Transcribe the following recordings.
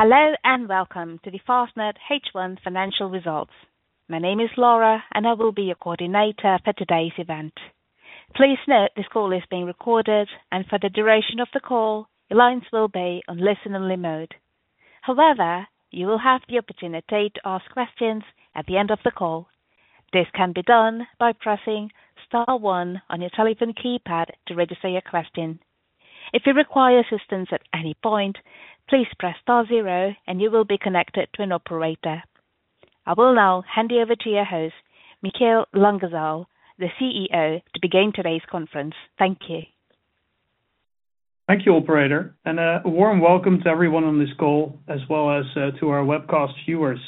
Hello, and welcome to the Fastned H1 financial results. My name is Laura, and I will be your coordinator for today's event. Please note, this call is being recorded, and for the duration of the call, the lines will be on listen-only mode. However, you will have the opportunity to ask questions at the end of the call. This can be done by pressing star one on your telephone keypad to register your question. If you require assistance at any point, please press star zero and you will be connected to an operator. I will now hand you over to your host, Michiel Langezaal, the CEO, to begin today's conference. Thank you. Thank you, operator, and, a warm welcome to everyone on this call, as well as, to our webcast viewers.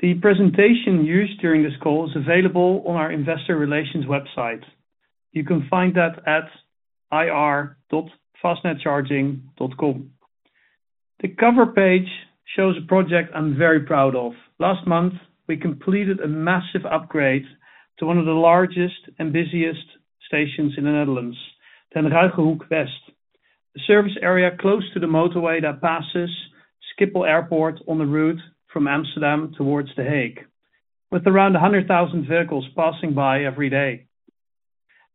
The presentation used during this call is available on our investor relations website. You can find that at ir.fastnedcharging.com. The cover page shows a project I'm very proud of. Last month, we completed a massive upgrade to one of the largest and busiest stations in the Netherlands, Den Ruygen Hoek West. The service area close to the motorway that passes Schiphol Airport on the route from Amsterdam towards The Hague, with around 100,000 vehicles passing by every day.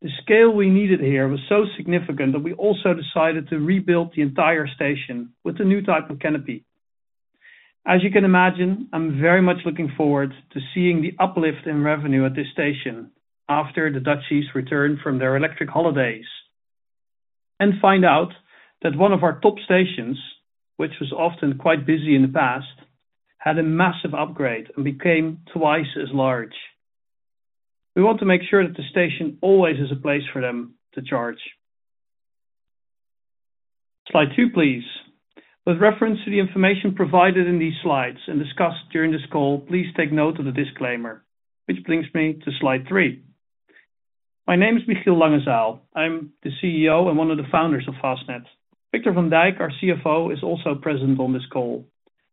The scale we needed here was so significant that we also decided to rebuild the entire station with a new type of canopy. As you can imagine, I'm very much looking forward to seeing the uplift in revenue at this station after the Dutchies return from their electric holidays, and find out that one of our top stations, which was often quite busy in the past, had a massive upgrade and became twice as large. We want to make sure that the station always has a place for them to charge. Slide two, please. With reference to the information provided in these slides and discussed during this call, please take note of the disclaimer, which brings me to slide three. My name is Michiel Langezaal. I'm the CEO and one of the founders of Fastned. Victor Van Dijk, our CFO, is also present on this call.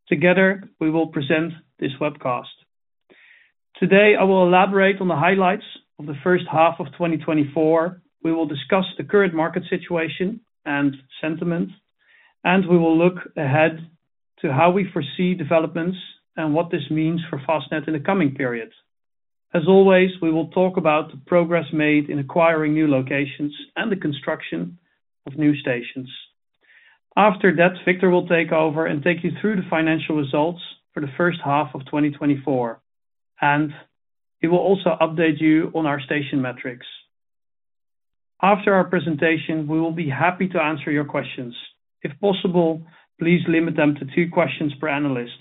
Together, we will present this webcast. Today, I will elaborate on the highlights of the first half of 2024. We will discuss the current market situation and sentiment, and we will look ahead to how we foresee developments and what this means for Fastned in the coming periods. As always, we will talk about the progress made in acquiring new locations and the construction of new stations. After that, Victor will take over and take you through the financial results for the first half of 2024, and he will also update you on our station metrics. After our presentation, we will be happy to answer your questions. If possible, please limit them to two questions per analyst,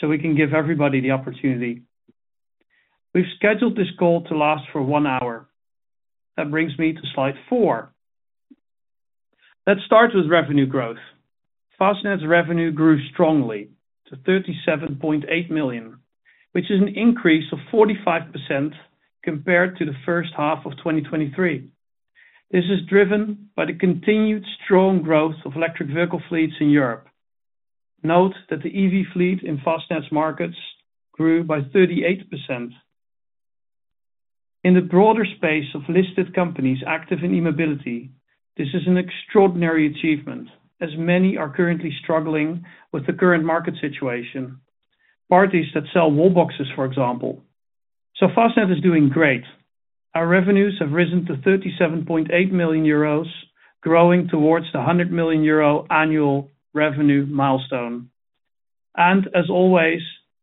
so we can give everybody the opportunity. We've scheduled this call to last for one hour. That brings me to slide four. Let's start with revenue growth. Fastned's revenue grew strongly to 37.8 million, which is an increase of 45% compared to the first half of 2023. This is driven by the continued strong growth of electric vehicle fleets in Europe. Note that the EV fleet in Fastned's markets grew by 38%. In the broader space of listed companies active in e-mobility, this is an extraordinary achievement, as many are currently struggling with the current market situation, parties that sell wall boxes, for example. Fastned is doing great. Our revenues have risen to 37.8 million euros, growing towards the 100 million euro annual revenue milestone.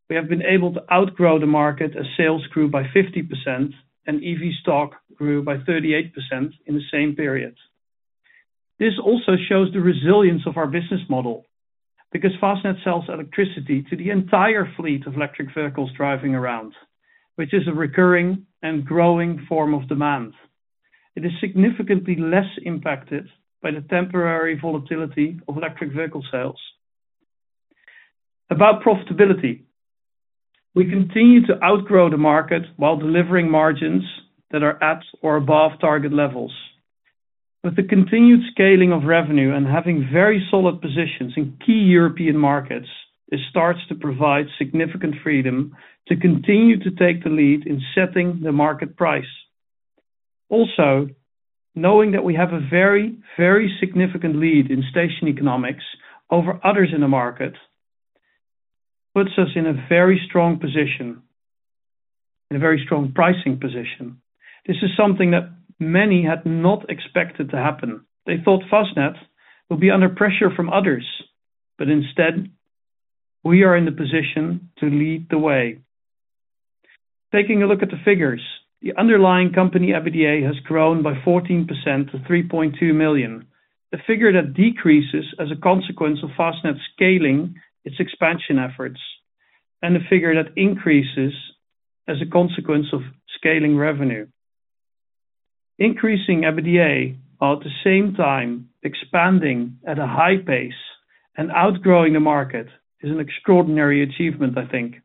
We have been able to outgrow the market as sales grew by 50% and EV stock grew by 38% in the same period. This also shows the resilience of our business model, because Fastned sells electricity to the entire fleet of electric vehicles driving around, which is a recurring and growing form of demand. It is significantly less impacted by the temporary volatility of electric vehicle sales. About profitability, we continue to outgrow the market while delivering margins that are at or above target levels. With the continued scaling of revenue and having very solid positions in key European markets, this starts to provide significant freedom to continue to take the lead in setting the market price. Also, knowing that we have a very, very significant lead in station economics over others in the market, puts us in a very strong position, in a very strong pricing position. This is something that many had not expected to happen. They thought Fastned would be under pressure from others, but instead, we are in the position to lead the way. Taking a look at the figures, the underlying company, EBITDA, has grown by 14% to 3.2 million. The figure that decreases as a consequence of Fastned scaling its expansion efforts, and the figure that increases as a consequence of scaling revenue. Increasing EBITDA, while at the same time expanding at a high pace and outgrowing the market, is an extraordinary achievement, I think.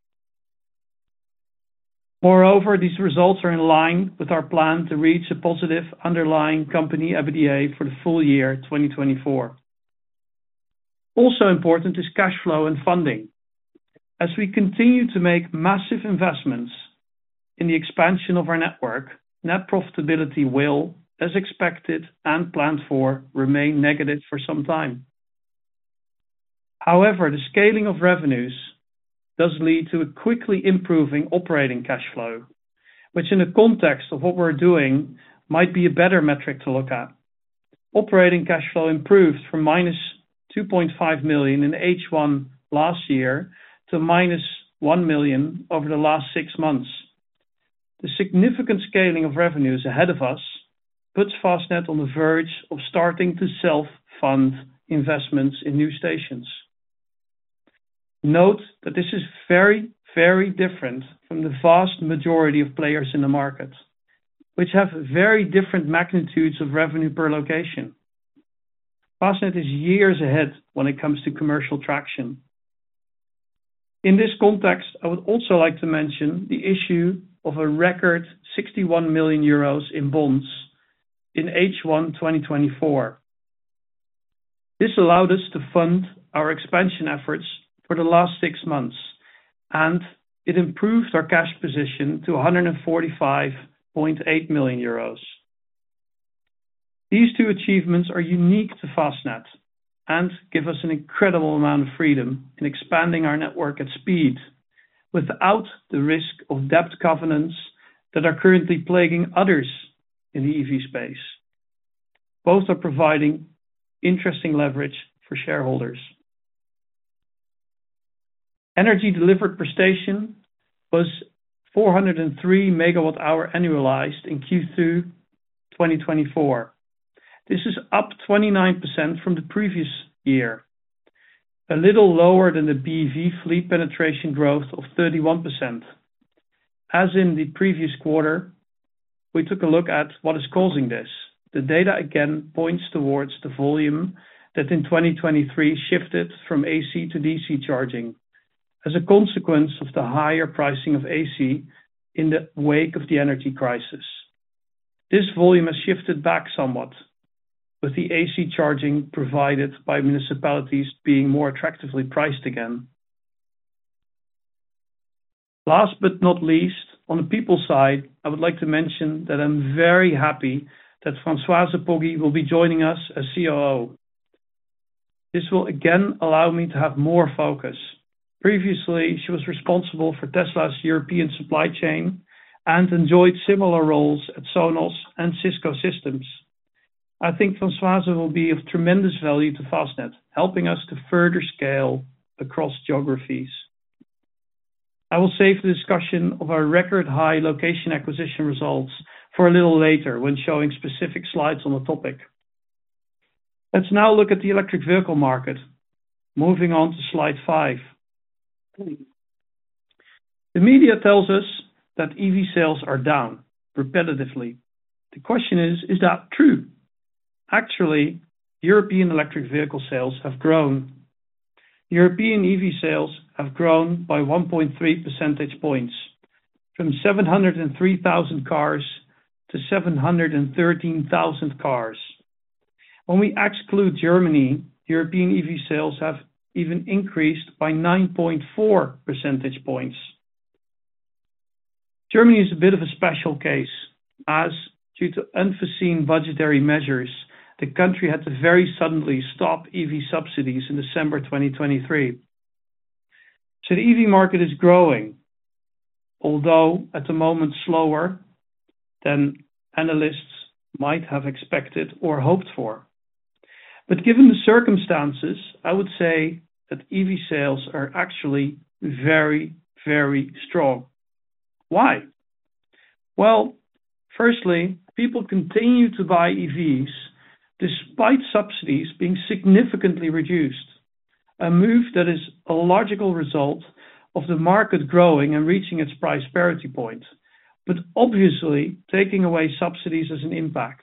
Moreover, these results are in line with our plan to reach a positive underlying company EBITDA for the full year 2024. Also important is cash flow and funding. As we continue to make massive investments in the expansion of our network, net profitability will, as expected and planned for, remain negative for some time. However, the scaling of revenues does lead to a quickly improving operating cash flow, which in the context of what we're doing, might be a better metric to look at. Operating cash flow improved from -2.5 million in H1 last year, to -1 million over the last six months. The significant scaling of revenues ahead of us puts Fastned on the verge of starting to self-fund investments in new stations. Note that this is very, very different from the vast majority of players in the market, which have very different magnitudes of revenue per location. Fastned is years ahead when it comes to commercial traction. In this context, I would also like to mention the issue of a record 61 million euros in bonds in H1 2024. This allowed us to fund our expansion efforts for the last six months, and it improved our cash position to 145.8 million euros. These two achievements are unique to Fastned and give us an incredible amount of freedom in expanding our network at speed, without the risk of debt governance that are currently plaguing others in the EV space. Both are providing interesting leverage for shareholders. Energy delivered per station was 403 MWh annualized in Q2 2024. This is up 29% from the previous year, a little lower than the BEV fleet penetration growth of 31%. As in the previous quarter, we took a look at what is causing this. The data again points towards the volume that in 2023 shifted from AC to DC charging as a consequence of the higher pricing of AC in the wake of the energy crisis. This volume has shifted back somewhat, with the AC charging provided by municipalities being more attractively priced again. Last but not least, on the people side, I would like to mention that I'm very happy that Françoise Poggi will be joining us as COO. This will again allow me to have more focus. Previously, she was responsible for Tesla's European supply chain and enjoyed similar roles at Sonos and Cisco Systems. I think Françoise will be of tremendous value to Fastned, helping us to further scale across geographies. I will save the discussion of our record-high location acquisition results for a little later when showing specific slides on the topic. Let's now look at the electric vehicle market. Moving on to slide 5, please. The media tells us that EV sales are down repeatedly. The question is, is that true? Actually, European electric vehicle sales have grown. European EV sales have grown by 1.3 percentage points, from 703,000 cars to 713,000 cars. When we exclude Germany, European EV sales have even increased by 9.4 percentage points. Germany is a bit of a special case, as due to unforeseen budgetary measures, the country had to very suddenly stop EV subsidies in December 2023. So the EV market is growing, although at the moment slower than analysts might have expected or hoped for. But given the circumstances, I would say that EV sales are actually very, very strong. Why? Well, firstly, people continue to buy EVs despite subsidies being significantly reduced, a move that is a logical result of the market growing and reaching its price parity point, but obviously, taking away subsidies has an impact.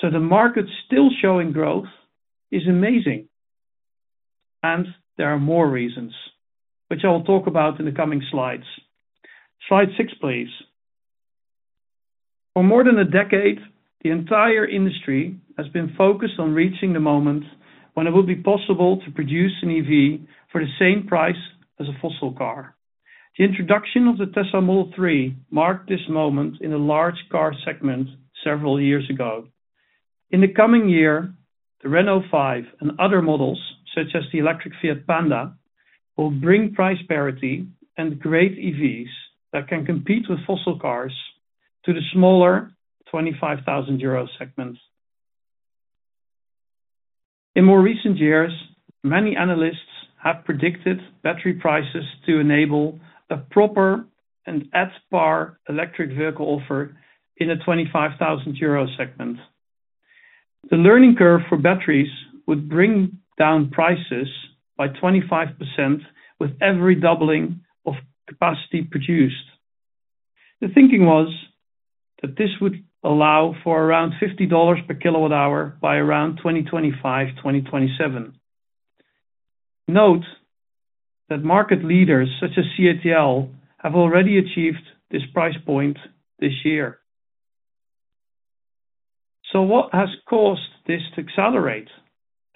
So the market still showing growth is amazing, and there are more reasons, which I'll talk about in the coming slides. Slide 6, please. For more than a decade, the entire industry has been focused on reaching the moment when it will be possible to produce an EV for the same price as a fossil car. The introduction of the Tesla Model 3 marked this moment in a large car segment several years ago. In the coming year, the Renault 5 and other models such as the electric Fiat Panda will bring price parity and great EVs that can compete with fossil cars to the smaller EUR 25,000 segment. In more recent years, many analysts have predicted battery prices to enable a proper and at par electric vehicle offer in a 25,000 euro segment. The learning curve for batteries would bring down prices by 25% with every doubling of capacity produced. The thinking was, that this would allow for around $50 per kWh by around 2025-2027. Note that market leaders such as CATL have already achieved this price point this year. So what has caused this to accelerate,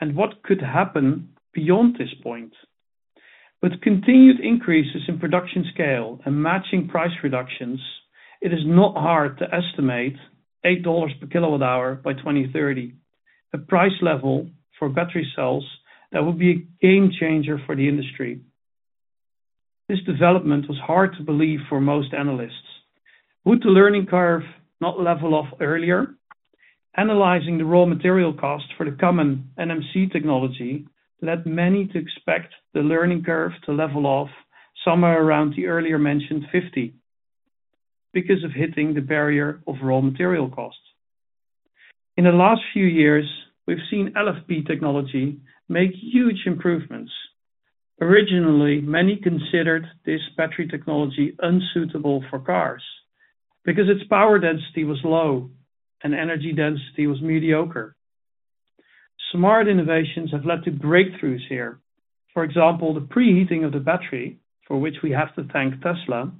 and what could happen beyond this point? With continued increases in production scale and matching price reductions, it is not hard to estimate $8 per kWh by 2030. The price level for battery cells, that would be a game changer for the industry. This development was hard to believe for most analysts. Would the learning curve not level off earlier? Analyzing the raw material cost for the common NMC technology, led many to expect the learning curve to level off somewhere around the earlier mentioned 50, because of hitting the barrier of raw material costs. In the last few years, we've seen LFP technology make huge improvements. Originally, many considered this battery technology unsuitable for cars, because its power density was low and energy density was mediocre. Smart innovations have led to breakthroughs here. For example, the preheating of the battery, for which we have to thank Tesla,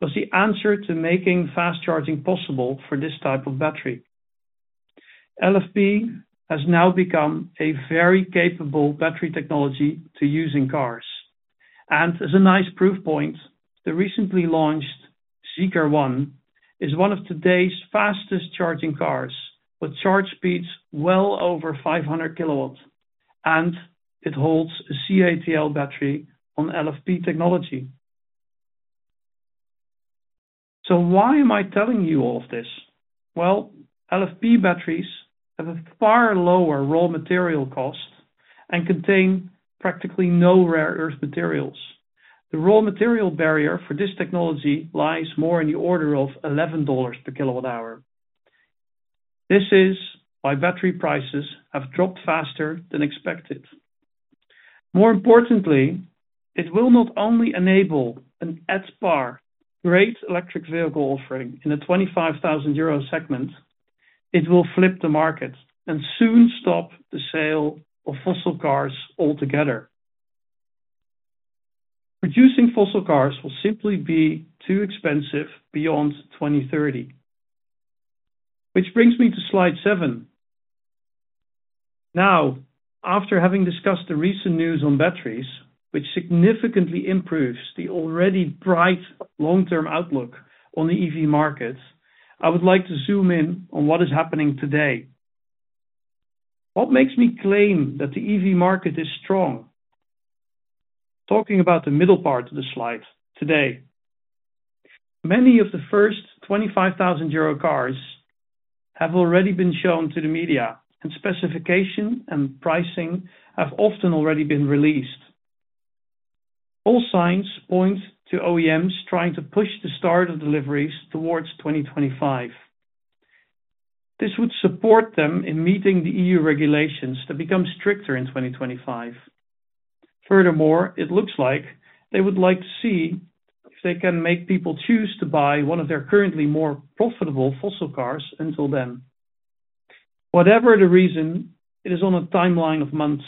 was the answer to making fast charging possible for this type of battery. LFP has now become a very capable battery technology to use in cars, and as a nice proof point, the recently launched Zeekr 001 is one of today's fastest charging cars, with charge speeds well over 500 kilowatts, and it holds a CATL battery on LFP technology. So why am I telling you all of this? Well, LFP batteries have a far lower raw material cost and contain practically no rare earth materials. The raw material barrier for this technology lies more in the order of $11 per kWh. This is why battery prices have dropped faster than expected. More importantly, it will not only enable an at par great electric vehicle offering in a 25,000 euro segment, it will flip the market and soon stop the sale of fossil cars altogether. Producing fossil cars will simply be too expensive beyond 2030. Which brings me to slide 7. Now, after having discussed the recent news on batteries, which significantly improves the already bright long-term outlook on the EV markets, I would like to zoom in on what is happening today. What makes me claim that the EV market is strong? Talking about the middle part of the slide, today, many of the first 25,000 euro cars have already been shown to the media, and specification and pricing have often already been released. All signs point to OEMs trying to push the start of deliveries towards 2025. This would support them in meeting the EU regulations that become stricter in 2025. Furthermore, it looks like they would like to see if they can make people choose to buy one of their currently more profitable fossil cars until then. Whatever the reason, it is on a timeline of months.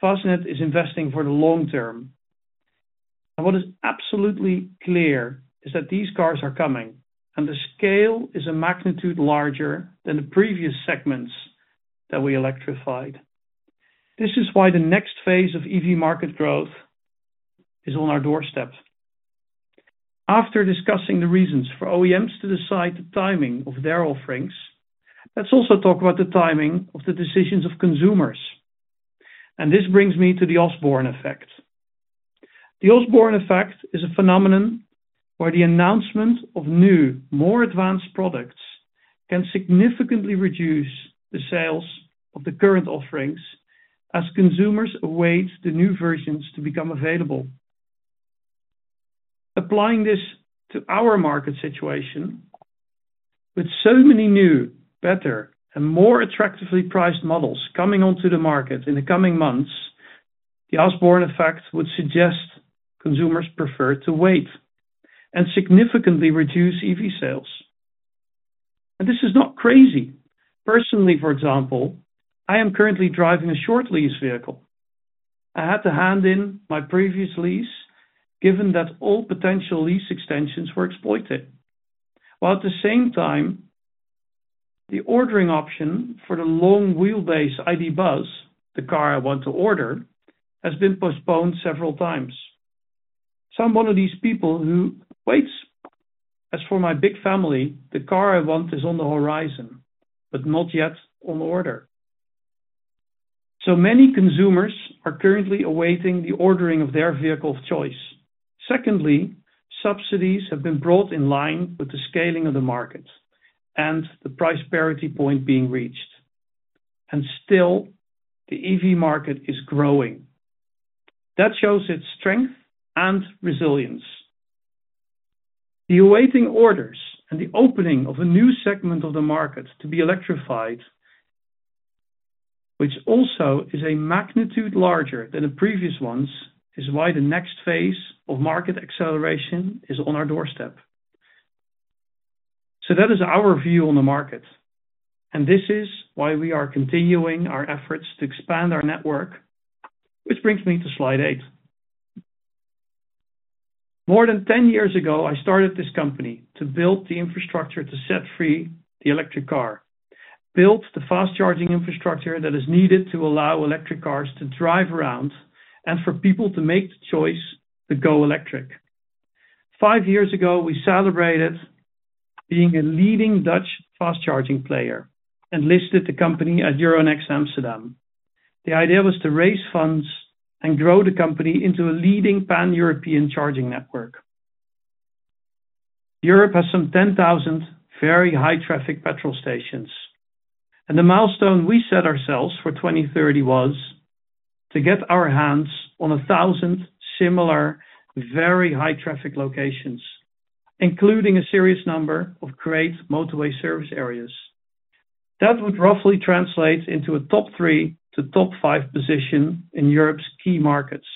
Fastned is investing for the long term. And what is absolutely clear is that these cars are coming, and the scale is a magnitude larger than the previous segments that we electrified. This is why the next phase of EV market growth is on our doorstep. After discussing the reasons for OEMs to decide the timing of their offerings, let's also talk about the timing of the decisions of consumers. This brings me to the Osborne effect. The Osborne effect is a phenomenon where the announcement of new, more advanced products can significantly reduce the sales of the current offerings as consumers await the new versions to become available. Applying this to our market situation, with so many new, better, and more attractively priced models coming onto the market in the coming months, the Osborne effect would suggest consumers prefer to wait and significantly reduce EV sales. This is not crazy. Personally, for example, I am currently driving a short lease vehicle. I had to hand in my previous lease, given that all potential lease extensions were exploited. While at the same time, the ordering option for the long wheelbase ID. Buzz, the car I want to order, has been postponed several times. So I'm one of these people who waits. As for my big family, the car I want is on the horizon, but not yet on order. So many consumers are currently awaiting the ordering of their vehicle of choice. Secondly, subsidies have been brought in line with the scaling of the market and the price parity point being reached. And still, the EV market is growing. That shows its strength and resilience. The awaiting orders and the opening of a new segment of the market to be electrified, which also is a magnitude larger than the previous ones, is why the next phase of market acceleration is on our doorstep. So that is our view on the market, and this is why we are continuing our efforts to expand our network, which brings me to slide eight. More than 10 years ago, I started this company to build the infrastructure to set free the electric car, build the fast charging infrastructure that is needed to allow electric cars to drive around, and for people to make the choice to go electric. Five years ago, we celebrated being a leading Dutch fast charging player and listed the company at Euronext Amsterdam. The idea was to raise funds and grow the company into a leading Pan-European charging network. Europe has some 10,000 very high traffic petrol stations, and the milestone we set ourselves for 2030 was to get our hands on 1,000 similar, very high traffic locations, including a serious number of great motorway service areas. That would roughly translate into a top 3 to top 5 position in Europe's key markets.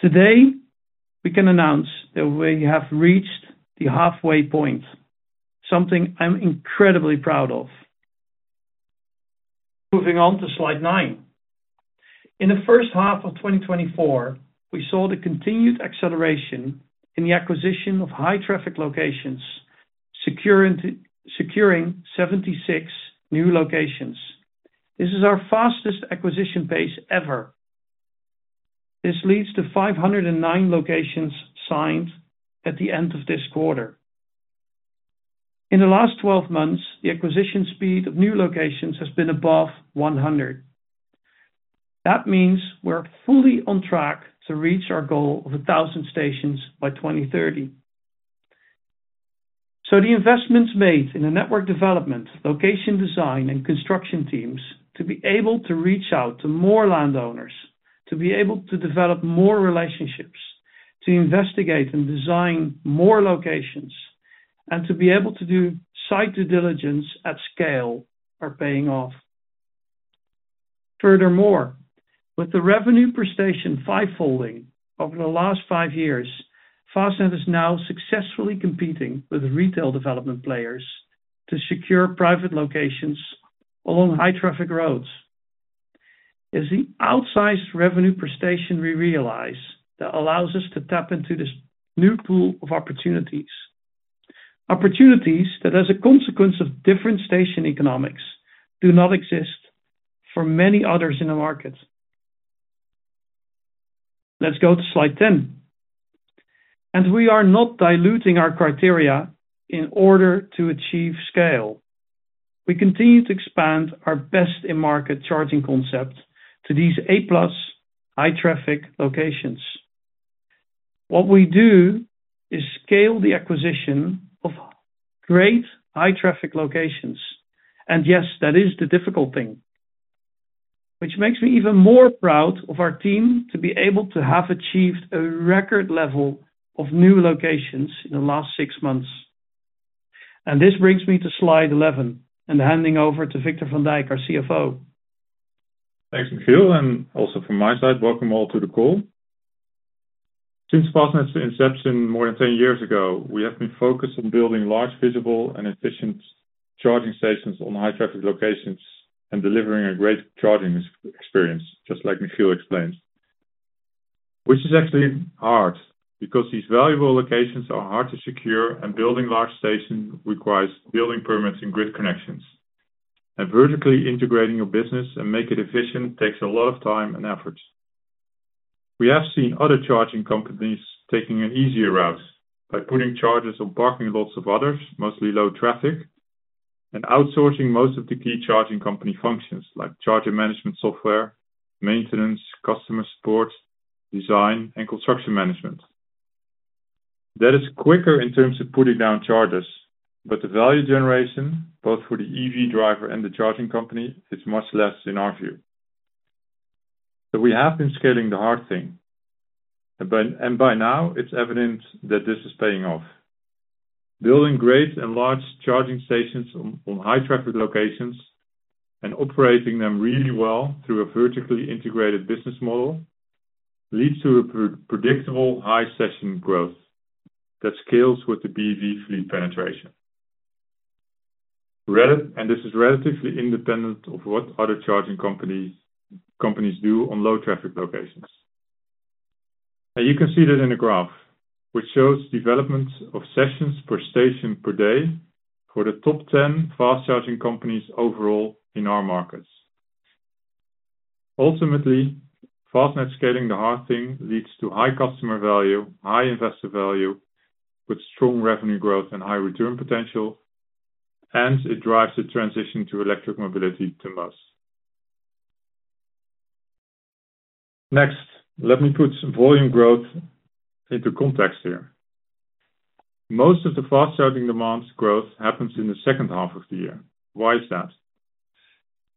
Today, we can announce that we have reached the halfway point, something I'm incredibly proud of. Moving on to slide 9. In the first half of 2024, we saw the continued acceleration in the acquisition of high traffic locations, securing 76 new locations. This is our fastest acquisition pace ever. This leads to 509 locations signed at the end of this quarter. In the last 12 months, the acquisition speed of new locations has been above 100. That means we're fully on track to reach our goal of 1,000 stations by 2030. So the investments made in the network development, location design, and construction teams to be able to reach out to more landowners, to be able to develop more relationships, to investigate and design more locations, and to be able to do site due diligence at scale are paying off. Furthermore, with the revenue per station 5-folding over the last 5 years, Fastned is now successfully competing with retail development players to secure private locations along high traffic roads. As the outsized revenue per station we realize that allows us to tap into this new pool of opportunities. Opportunities that, as a consequence of different station economics, do not exist for many others in the market. Let's go to slide 10. We are not diluting our criteria in order to achieve scale. We continue to expand our best-in-market charging concept to these A-plus high traffic locations. What we do is scale the acquisition of great high traffic locations, and yes, that is the difficult thing, which makes me even more proud of our team to be able to have achieved a record level of new locations in the last six months. This brings me to slide 11 and handing over to Victor Van Dijk, our CFO. Thanks, Michiel, and also from my side, welcome all to the call. Since Fastned's inception more than 10 years ago, we have been focused on building large, visible, and efficient charging stations on high traffic locations and delivering a great charging experience, just like Michiel explained. Which is actually hard, because these valuable locations are hard to secure, and building large stations requires building permits and grid connections. And vertically integrating your business and make it efficient takes a lot of time and effort. We have seen other charging companies taking an easier route by putting chargers on parking lots of others, mostly low traffic, and outsourcing most of the key charging company functions like charger management software, maintenance, customer support, design, and construction management. That is quicker in terms of putting down chargers, but the value generation, both for the EV driver and the charging company, is much less in our view. So we have been scaling the hard thing, and by now, it's evident that this is paying off. Building great and large charging stations on high traffic locations and operating them really well through a vertically integrated business model leads to a predictable high session growth that scales with the BEV fleet penetration. And this is relatively independent of what other charging companies do on low traffic locations. And you can see that in the graph, which shows development of sessions per station per day for the top ten fast charging companies overall in our markets. Ultimately, Fastned scaling the hard thing leads to high customer value, high investor value with strong revenue growth and high return potential, and it drives the transition to electric mobility to us. Next, let me put some volume growth into context here. Most of the fast charging demands growth happens in the second half of the year. Why is that?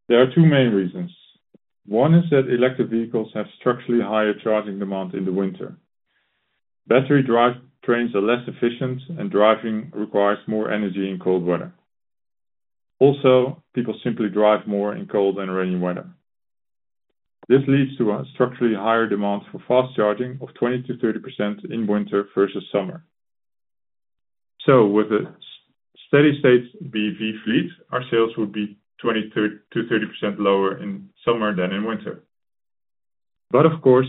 There are two main reasons. One is that electric vehicles have structurally higher charging demand in the winter. Battery drive trains are less efficient, and driving requires more energy in cold weather. Also, people simply drive more in cold and rainy weather. This leads to a structurally higher demand for fast charging of 20%-30% in winter versus summer... So with a steady state BEV fleet, our sales would be 20%-30% lower in summer than in winter. But of course,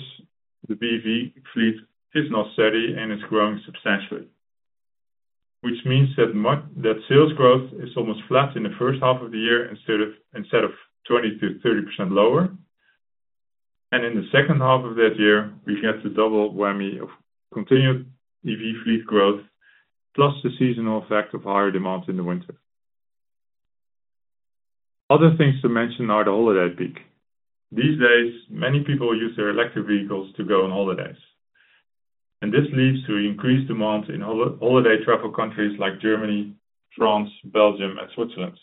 the BEV fleet is not steady and it's growing substantially, which means that that sales growth is almost flat in the first half of the year, instead of, instead of 20%-30% lower. And in the second half of that year, we get the double whammy of continued EV fleet growth, plus the seasonal effect of higher demands in the winter. Other things to mention are the holiday peak. These days, many people use their electric vehicles to go on holidays, and this leads to increased demand in holiday travel countries like Germany, France, Belgium, and Switzerland,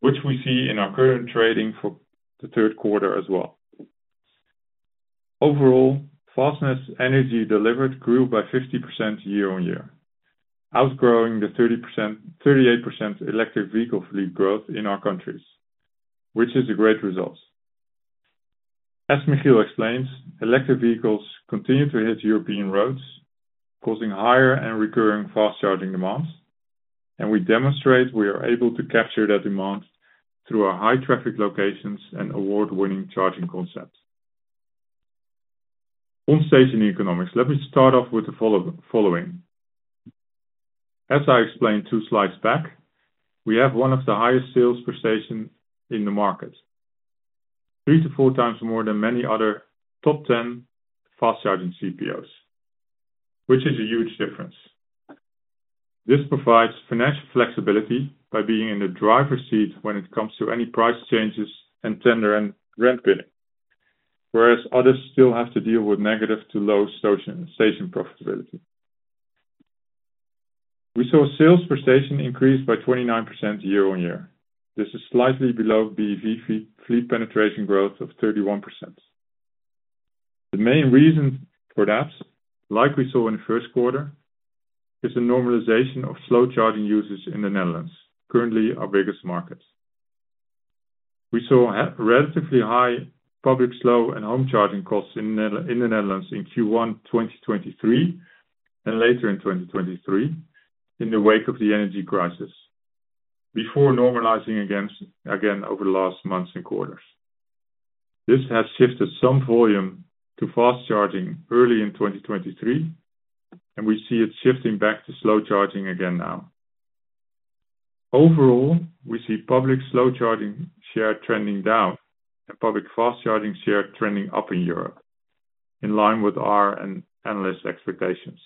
which we see in our current trading for the third quarter as well. Overall, Fastned's energy delivered grew by 50% year-on-year, outgrowing the 30%, 38% electric vehicle fleet growth in our countries, which is a great result. As Michiel explains, electric vehicles continue to hit European roads, causing higher and recurring fast charging demands, and we demonstrate we are able to capture that demand through our high traffic locations and award-winning charging concepts. On station economics, let me start off with the following. As I explained two slides back, we have one of the highest sales per station in the market, 3-4 times more than many other top ten fast charging CPOs, which is a huge difference. This provides financial flexibility by being in the driver's seat when it comes to any price changes and tender and rent bidding, whereas others still have to deal with negative-to-low station profitability. We saw sales per station increase by 29% year-on-year. This is slightly below BEV fleet penetration growth of 31%. The main reason for that, like we saw in the first quarter, is a normalization of slow charging usage in the Netherlands, currently our biggest market. We saw a relatively high public, slow, and home charging costs in the Netherlands in Q1 2023, and later in 2023, in the wake of the energy crisis, before normalizing against, again, over the last months and quarters. This has shifted some volume to fast charging early in 2023, and we see it shifting back to slow charging again now. Overall, we see public slow charging share trending down and public fast charging share trending up in Europe, in line with our and analyst expectations.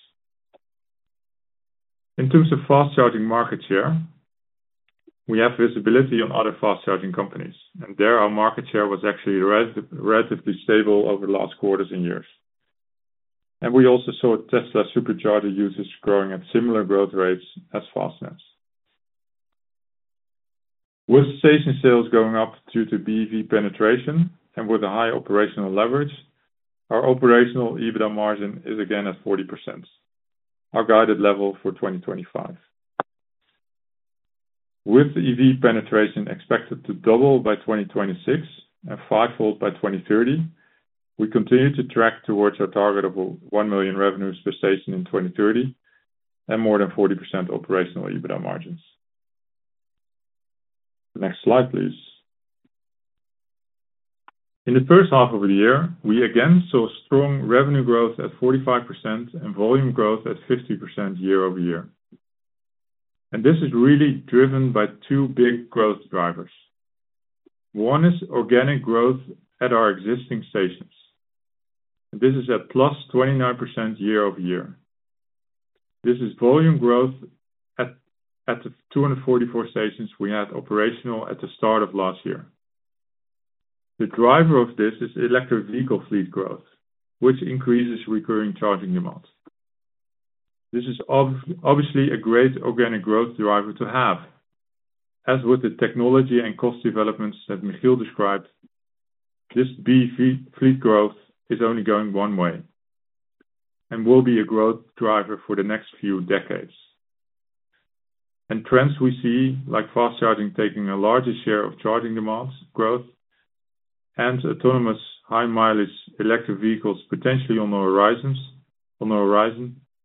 In terms of fast charging market share, we have visibility on other fast charging companies, and there our market share was actually relatively, relatively stable over the last quarters and years. And we also saw Tesla Supercharger users growing at similar growth rates as Fastned. With station sales going up due to BEV penetration and with a high operational leverage, our operational EBITDA margin is again at 40%, our guided level for 2025. With the EV penetration expected to double by 2026 and fivefold by 2030, we continue to track towards our target of 1 million revenues per station in 2030 and more than 40% operational EBITDA margins. Next slide, please. In the first half of the year, we again saw strong revenue growth at 45% and volume growth at 50% year-over-year. And this is really driven by two big growth drivers. One is organic growth at our existing stations. This is at +29% year-over-year. This is volume growth at the 244 stations we had operational at the start of last year. The driver of this is electric vehicle fleet growth, which increases recurring charging demands. This is obviously a great organic growth driver to have, as with the technology and cost developments that Michiel described, this BEV fleet growth is only going one way and will be a growth driver for the next few decades. Trends we see, like fast charging taking a larger share of charging demands growth and autonomous high mileage electric vehicles potentially on the horizon,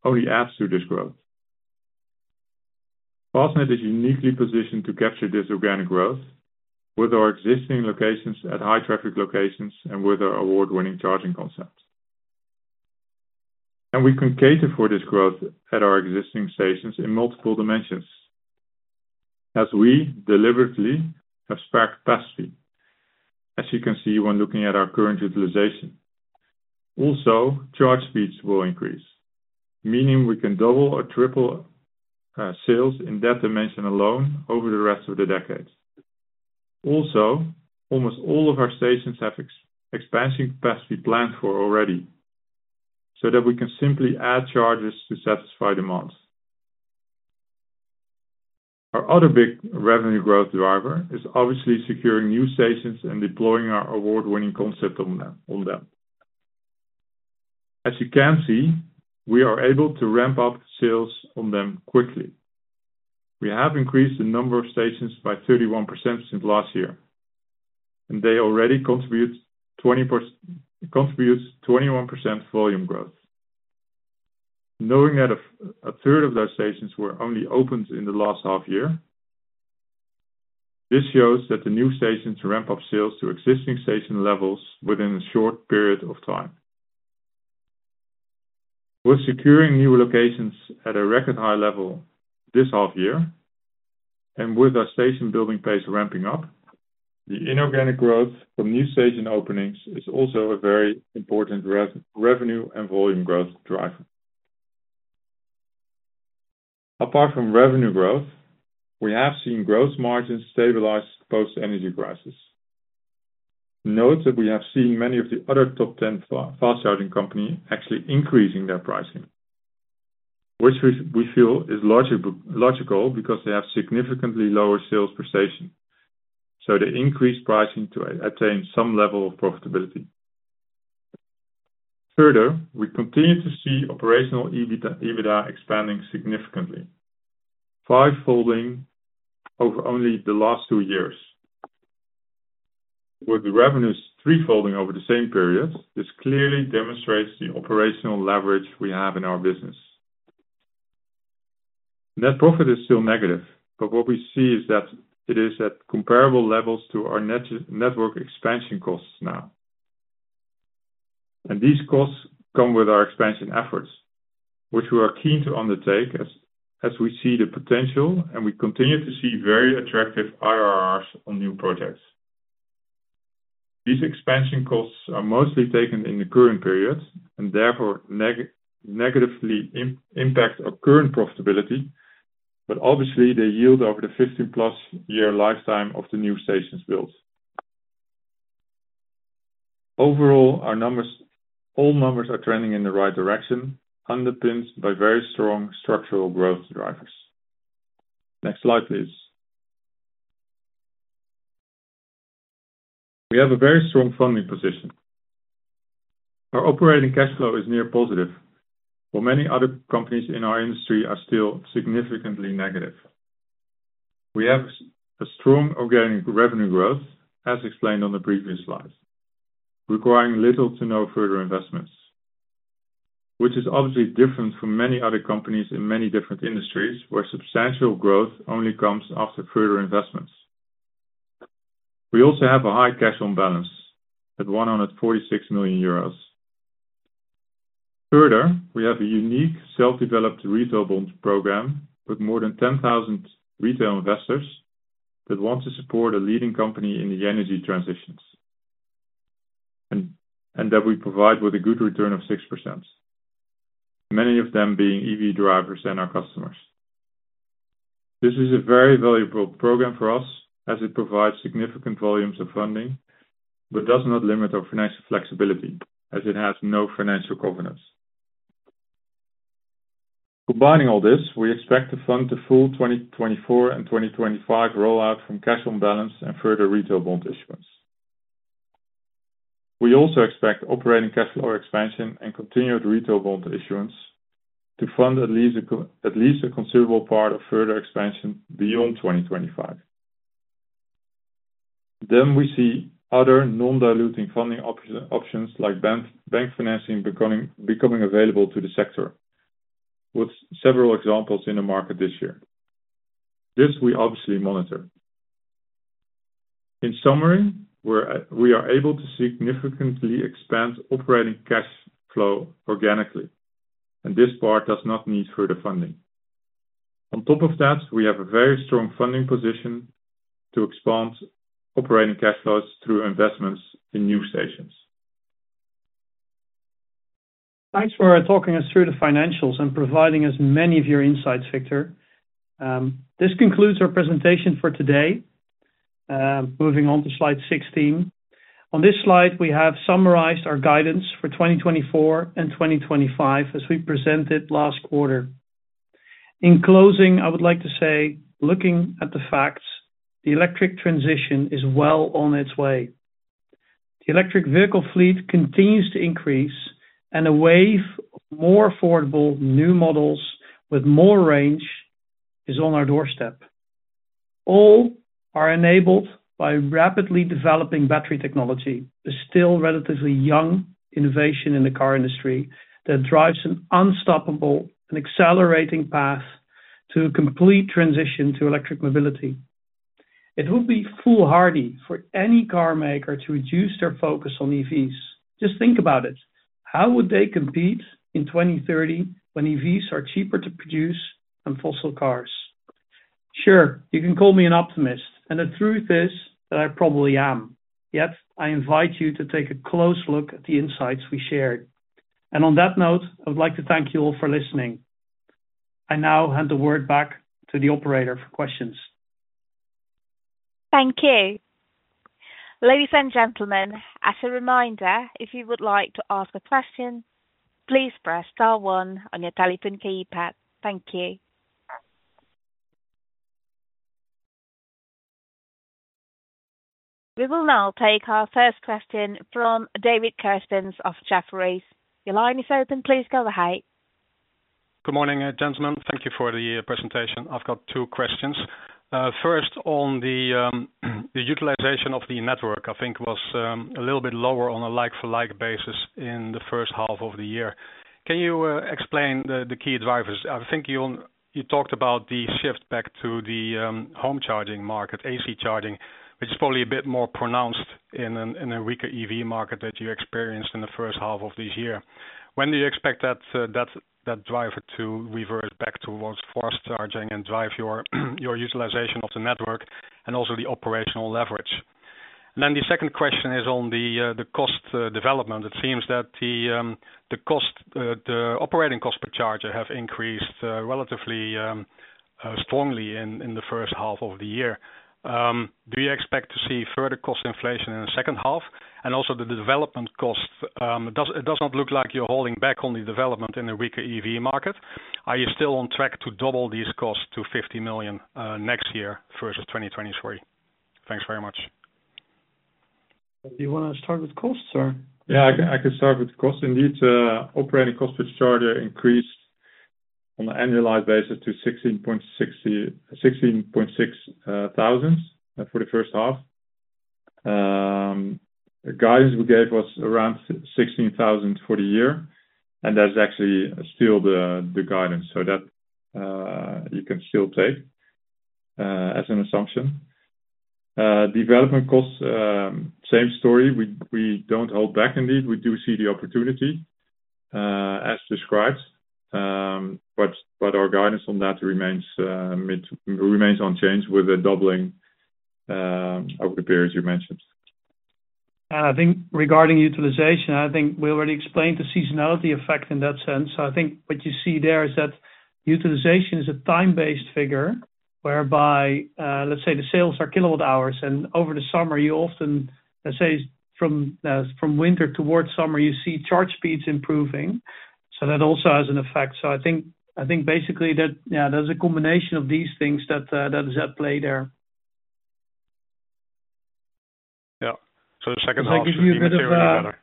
only add to this growth. Fastned is uniquely positioned to capture this organic growth with our existing locations at high traffic locations and with our award-winning charging concept. We can cater for this growth at our existing stations in multiple dimensions, as we deliberately have spared capacity, as you can see when looking at our current utilization. Also, charge speeds will increase, meaning we can double or triple sales in that dimension alone over the rest of the decade. Also, almost all of our stations have expansion capacity planned for already, so that we can simply add chargers to satisfy demands. Our other big revenue growth driver is obviously securing new stations and deploying our award-winning concept on them, on them. As you can see, we are able to ramp up sales on them quickly. We have increased the number of stations by 31% since last year, and they already contributes 20%, contributes 21% volume growth. Knowing that a third of those stations were only opened in the last half year, this shows that the new stations ramp up sales to existing station levels within a short period of time. We're securing new locations at a record high level this half year, and with our station building pace ramping up, the inorganic growth from new station openings is also a very important revenue and volume growth driver. Apart from revenue growth, we have seen growth margins stabilize post-energy crisis. Note that we have seen many of the other top 10 fast charging companies actually increasing their pricing, which we feel is illogical, because they have significantly lower sales per station, so they increase pricing to attain some level of profitability. Further, we continue to see operational EBITDA expanding significantly, five-folding over only the last two years. With the revenues three-folding over the same period, this clearly demonstrates the operational leverage we have in our business. Net profit is still negative, but what we see is that it is at comparable levels to our net network expansion costs now. These costs come with our expansion efforts, which we are keen to undertake as we see the potential, and we continue to see very attractive IRRs on new projects. These expansion costs are mostly taken in the current periods, and therefore negatively impact our current profitability, but obviously, they yield over the 15+ year lifetime of the new stations built. Overall, our numbers, all numbers are trending in the right direction, underpinned by very strong structural growth drivers. Next slide, please. We have a very strong funding position. Our operating cash flow is near positive, while many other companies in our industry are still significantly negative. We have a strong organic revenue growth, as explained on the previous slide, requiring little to no further investments, which is obviously different from many other companies in many different industries, where substantial growth only comes after further investments. We also have a high cash on balance at 146 million euros. Further, we have a unique self-developed retail bonds program with more than 10,000 retail investors, that want to support a leading company in the energy transitions, and that we provide with a good return of 6%. Many of them being EV drivers and our customers. This is a very valuable program for us, as it provides significant volumes of funding, but does not limit our financial flexibility, as it has no financial covenants. Combining all this, we expect to fund the full 2024 and 2025 rollout from cash on balance and further retail bond issuance. We also expect operating cash flow expansion and continued retail bond issuance to fund at least a considerable part of further expansion beyond 2025. Then we see other non-diluting funding options, like bank financing becoming available to the sector, with several examples in the market this year. This we obviously monitor. In summary, we're able to significantly expand operating cash flow organically, and this part does not need further funding. On top of that, we have a very strong funding position to expand operating cash flows through investments in new stations. Thanks for talking us through the financials and providing us many of your insights, Victor. This concludes our presentation for today. Moving on to slide 16. On this slide, we have summarized our guidance for 2024 and 2025, as we presented last quarter. In closing, I would like to say, looking at the facts, the electric transition is well on its way. The electric vehicle fleet continues to increase, and a wave of more affordable new models with more range is on our doorstep. All are enabled by rapidly developing battery technology. It's still relatively young innovation in the car industry that drives an unstoppable and accelerating path to complete transition to electric mobility. It would be foolhardy for any car maker to reduce their focus on EVs. Just think about it, how would they compete in 2030 when EVs are cheaper to produce than fossil cars? Sure, you can call me an optimist, and the truth is that I probably am. Yet, I invite you to take a close look at the insights we shared. On that note, I would like to thank you all for listening. I now hand the word back to the operator for questions. Thank you. Ladies and gentlemen, as a reminder, if you would like to ask a question, please press star one on your telephone keypad. Thank you. We will now take our first question from David Kerstens of Jefferies. Your line is open, please go ahead.... Good morning, gentlemen. Thank you for the presentation. I've got two questions. First, on the utilization of the network, I think was a little bit lower on a like-for-like basis in the first half of the year. Can you explain the key drivers? I think you talked about the shift back to the home charging market, AC charging, which is probably a bit more pronounced in a weaker EV market that you experienced in the first half of the year. When do you expect that driver to revert back towards fast charging and drive your utilization of the network and also the operational leverage? And then the second question is on the cost development. It seems that the operating cost per charge have increased relatively strongly in the first half of the year. Do you expect to see further cost inflation in the second half? And also the development cost, it does not look like you're holding back on the development in a weaker EV market. Are you still on track to double these costs to 50 million next year versus 2023? Thanks very much. Do you wanna start with costs, or? Yeah, I can, I can start with costs. Indeed, operating cost per charger increased on an annualized basis to 16.6 thousand for the first half. The guidance we gave was around 16 thousand for the year, and that's actually still the guidance, so that you can still take as an assumption. Development costs, same story. We don't hold back indeed. We do see the opportunity as described. But our guidance on that remains unchanged with a doubling over the period you mentioned. I think regarding utilization, I think we already explained the seasonality effect in that sense. So I think what you see there is that utilization is a time-based figure, whereby, let's say the sales are kilowatt hours, and over the summer, you often, let's say, from winter towards summer, you see charge speeds improving. So that also has an effect. So I think, I think basically that, yeah, there's a combination of these things that, that is at play there. Yeah. So the second half will be a bit clearer.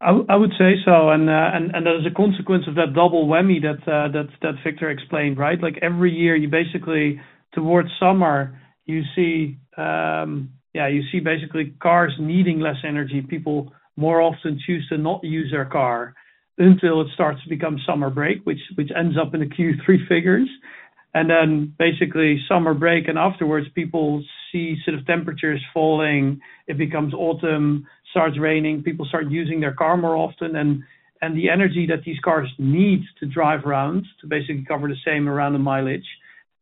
I would say so, and as a consequence of that double whammy that Victor explained, right? Like, every year, you basically, towards summer, you see, you see basically cars needing less energy. People more often choose to not use their car until it starts to become summer break, which ends up in the Q3 figures. And then basically summer break and afterwards, people see sort of temperatures falling, it becomes autumn, starts raining, people start using their car more often, and the energy that these cars need to drive around, to basically cover the same around the mileage,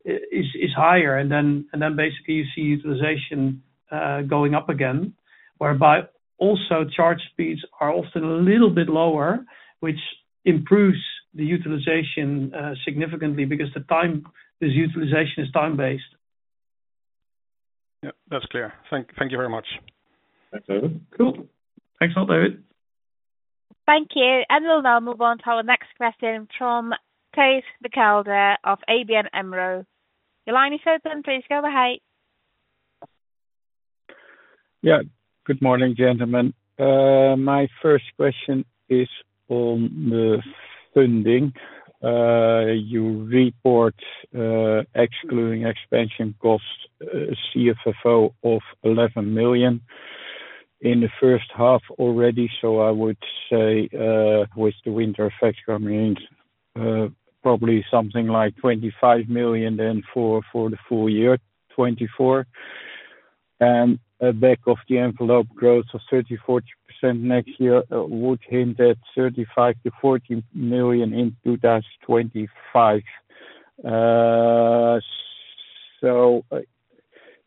is higher. And then basically you see utilization going up again, whereby also charge speeds are often a little bit lower, which improves the utilization significantly because the time, this utilization is time-based. Yep, that's clear. Thank you very much. Thanks, David. Cool. Thanks a lot, David. Thank you, and we'll now move on to our next question from Thijs Berkelder of ABN AMRO. Your line is open. Please go ahead. Yeah, good morning, gentlemen. My first question is on the funding. You report, excluding expansion costs, CFFO of 11 million in the first half already, so I would say, with the winter effect remains, probably something like 25 million then for the full year 2024. And a back of the envelope growth of 34% next year would hint at 35 million-40 million in 2025. So,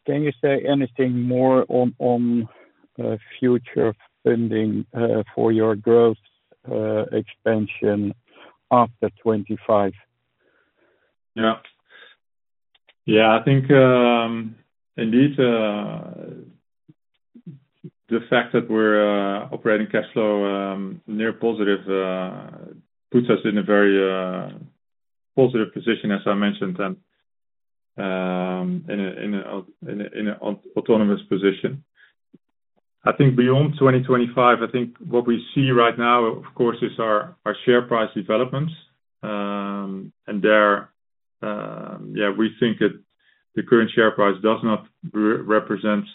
can you say anything more on future funding for your growth expansion after 2025? Yeah. Yeah, I think, indeed, the fact that we're operating cash flow near positive puts us in a very positive position, as I mentioned, and in an autonomous position. I think beyond 2025, I think what we see right now, of course, is our share price developments. And there, yeah, we think that the current share price does not represent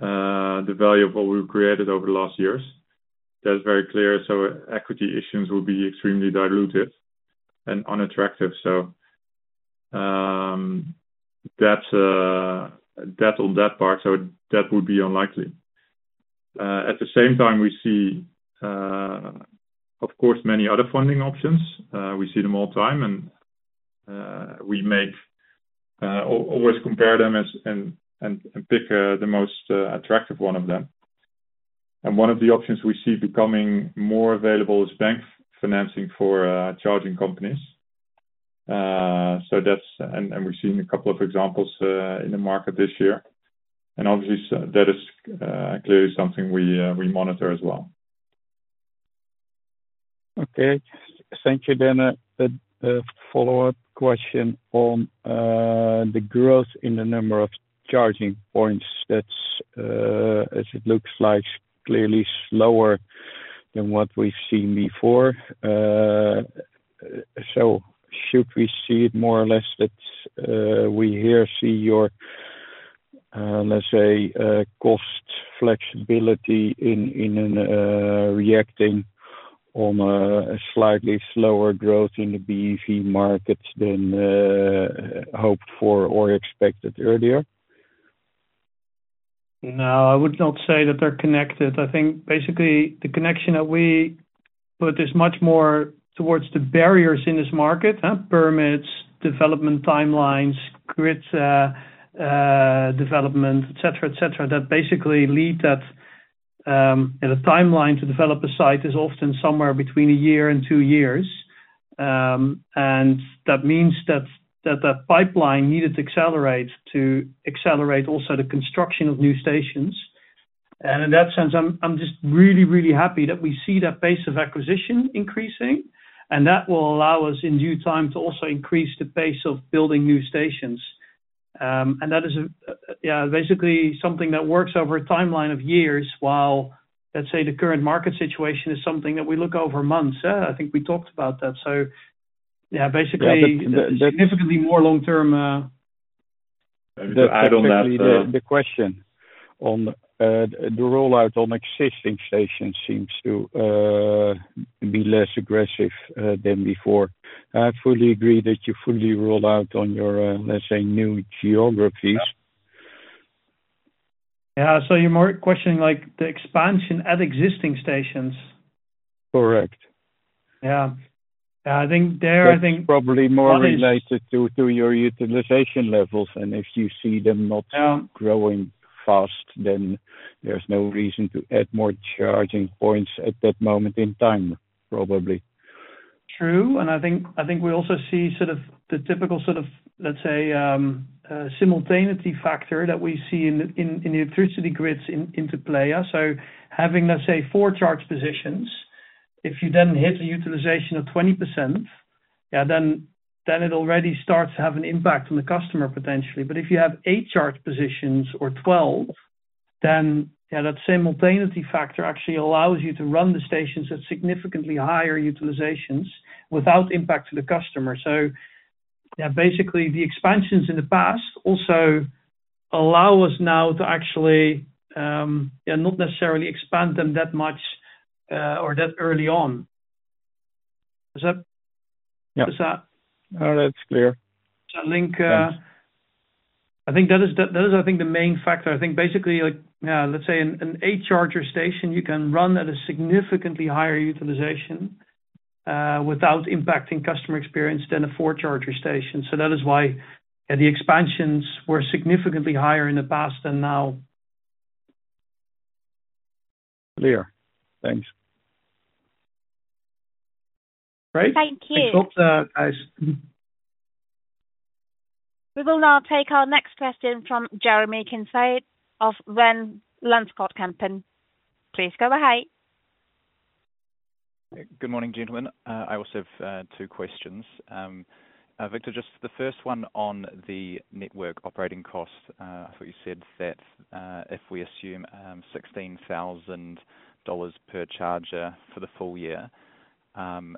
the value of what we've created over the last years. That's very clear, so equity issues will be extremely dilutive and unattractive. So, that's that on that part, so that would be unlikely. At the same time, we see, of course, many other funding options. We see them all the time, and we always compare them and pick the most attractive one of them. One of the options we see becoming more available is bank financing for charging companies. So that's... And we've seen a couple of examples in the market this year, and obviously, so that is clearly something we monitor as well. Okay. Thank you, then a follow-up question on the growth in the number of charging points that's-... as it looks like, clearly slower than what we've seen before. So should we see it more or less that we here see your, let's say, cost flexibility in reacting on a slightly slower growth in the BEV markets than hoped for or expected earlier? No, I would not say that they're connected. I think basically the connection that we put is much more towards the barriers in this market. Permits, development timelines, grids, development, et cetera, et cetera, that basically lead that, and the timeline to develop a site is often somewhere between 1 year and 2 years. And that means that the pipeline needed to accelerate also the construction of new stations. In that sense, I'm just really, really happy that we see that pace of acquisition increasing, and that will allow us, in due time, to also increase the pace of building new stations. And that is, yeah, basically something that works over a timeline of years, while, let's say, the current market situation is something that we look over months. I think we talked about that. Yeah, basically. Yeah, but— Significantly more long-term, To add on that, the question on the rollout on existing stations seems to be less aggressive than before. I fully agree that you fully roll out on your, let's say, new geographies. Yeah. So you're more questioning, like, the expansion at existing stations? Correct. Yeah. Yeah, I think Probably more related to your utilization levels, and if you see them not- Yeah... growing fast, then there's no reason to add more charging points at that moment in time, probably. True, and I think, I think we also see sort of the typical sort of, let's say, simultaneity factor that we see in the electricity grids into play. So having, let's say, four charge positions, if you then hit a utilization of 20%, yeah, then it already starts to have an impact on the customer potentially. But if you have eight charge positions or 12, then, yeah, that simultaneity factor actually allows you to run the stations at significantly higher utilizations without impact to the customer. So, yeah, basically, the expansions in the past also allow us now to actually, yeah, not necessarily expand them that much, or that early on. Is that- Yeah. Is that... No, that's clear. I think, Thanks. I think that is, I think, the main factor. I think basically, like, yeah, let's say an 8-charger station, you can run at a significantly higher utilization without impacting customer experience than a 4-charger station. So that is why, yeah, the expansions were significantly higher in the past than now. Clear. Thanks. Great. Thank you. I hope that I... We will now take our next question from Jeremy Kincaid of Van Lanschot Kempen. Please go ahead. Good morning, gentlemen. I also have two questions. Victor, just the first one on the network operating costs. I thought you said that if we assume $16,000 per charger for the full year,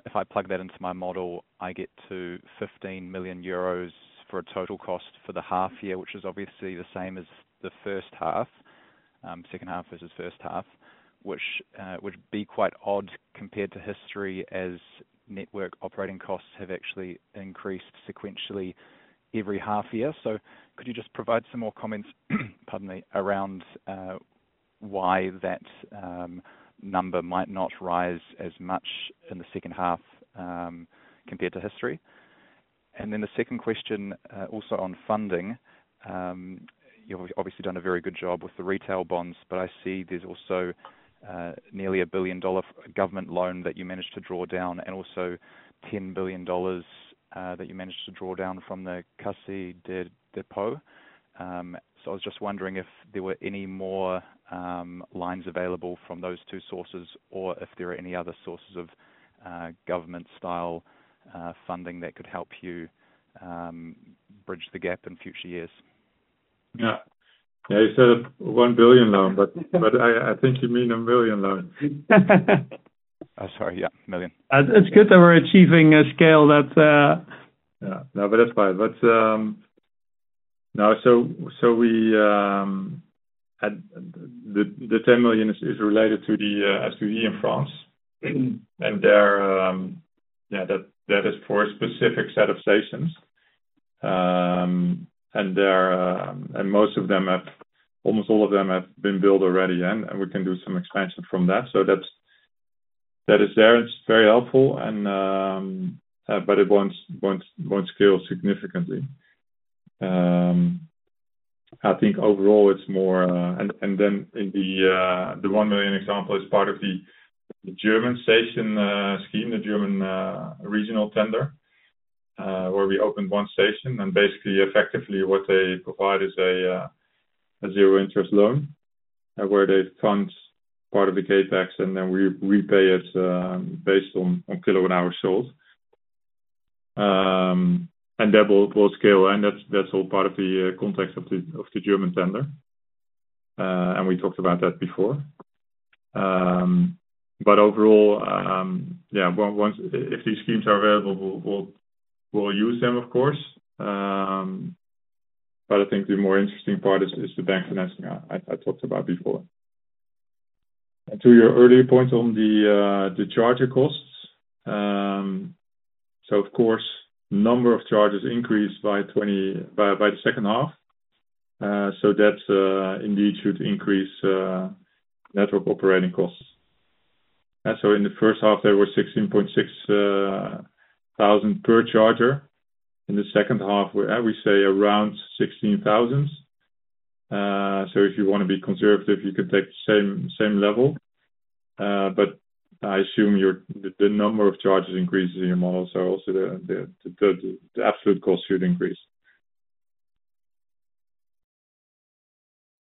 if I plug that into my model, I get to 15 million euros for a total cost for the half year, which is obviously the same as the first half, second half versus first half, which would be quite odd compared to history, as network operating costs have actually increased sequentially every half year. So could you just provide some more comments, pardon me, around why that number might not rise as much in the second half, compared to history? And then the second question, also on funding. You've obviously done a very good job with the retail bonds, but I see there's also nearly $1 billion government loan that you managed to draw down and also $10 billion that you managed to draw down from the Caisse des Dépôts. So I was just wondering if there were any more lines available from those two sources, or if there are any other sources of government style funding that could help you bridge the gap in future years? Yeah. Yeah, you said a 1 billion loan, but, but I, I think you mean a 1 million loan. Oh, sorry, yeah, million. It's good that we're achieving a scale that Yeah. No, but that's fine. But now, so the 10 million is related to the SDE in France. And there, yeah, that is for a specific set of stations. And most of them have, almost all of them have been built already, and we can do some expansion from that. So that is there. It's very helpful, but it won't scale significantly. I think overall it's more. And then in the one million example is part of the German station scheme, the German regional tender, where we opened one station and basically effectively what they provide is a zero-interest loan, where they fund part of the CapEx, and then we pay it based on kilowatt-hour sold. And that will scale, and that's all part of the context of the German tender. And we talked about that before. But overall, yeah, once if these schemes are available, we'll use them, of course. But I think the more interesting part is the bank financing I talked about before. And to your earlier point on the charger costs. So of course, number of charges increased by 20, by the second half. So that indeed should increase network operating costs. And so in the first half, there were 16.6 thousand per charger. In the second half, where I would say around 16 thousand. So if you wanna be conservative, you could take the same level. But I assume your the absolute cost should increase.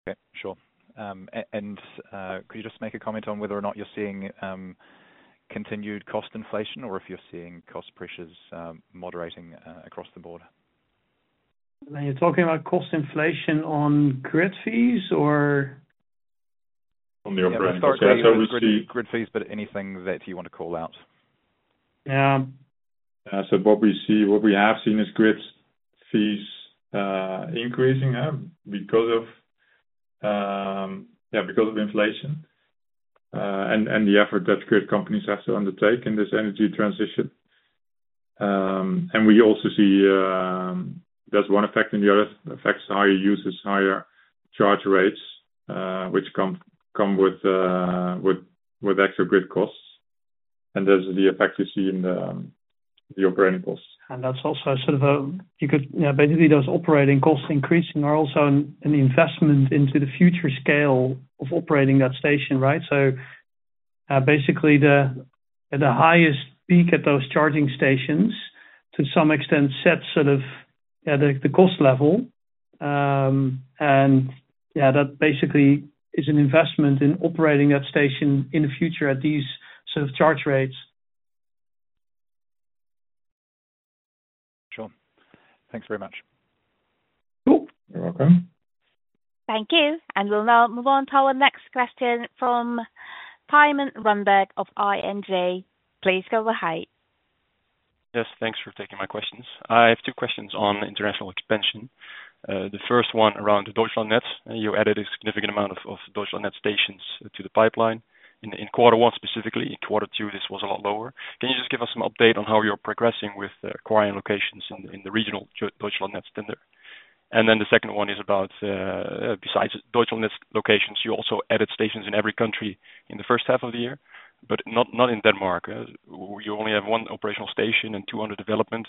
Okay. Sure. Could you just make a comment on whether or not you're seeing continued cost inflation, or if you're seeing cost pressures moderating across the board? You're talking about cost inflation on grid fees, or? On the operating costs, so we see- Grid fees, but anything that you want to call out. Yeah. So what we see, what we have seen is grid fees increasing because of yeah, because of inflation. And the effort that grid companies have to undertake in this energy transition. And we also see, there's one effect, and the other effect is how higher uses, higher charge rates which come with extra grid costs, and there's the effect you see in the operating costs. And that's also sort of a... You could, yeah, basically, those operating costs increasing are also an investment into the future scale of operating that station, right? So, basically, at the highest peak at those charging stations, to some extent sets sort of, yeah, the cost level. And yeah, that basically is an investment in operating that station in the future at these sort of charge rates. Sure. Thanks very much. Cool. You're welcome. Thank you, and we'll now move on to our next question from Simen Aas Lund of DNB Markets. Please go ahead. Yes, thanks for taking my questions. I have two questions on international expansion. The first one around Deutschlandnetz. You added a significant amount of Deutschlandnetz stations to the pipeline in quarter one, specifically. In quarter two, this was a lot lower. Can you just give us some update on how you're progressing with acquiring locations in the regional Deutschlandnetz tender? And then the second one is about, besides Deutschlandnetz locations, you also added stations in every country in the first half of the year, but not in Denmark. You only have one operational station and two under development.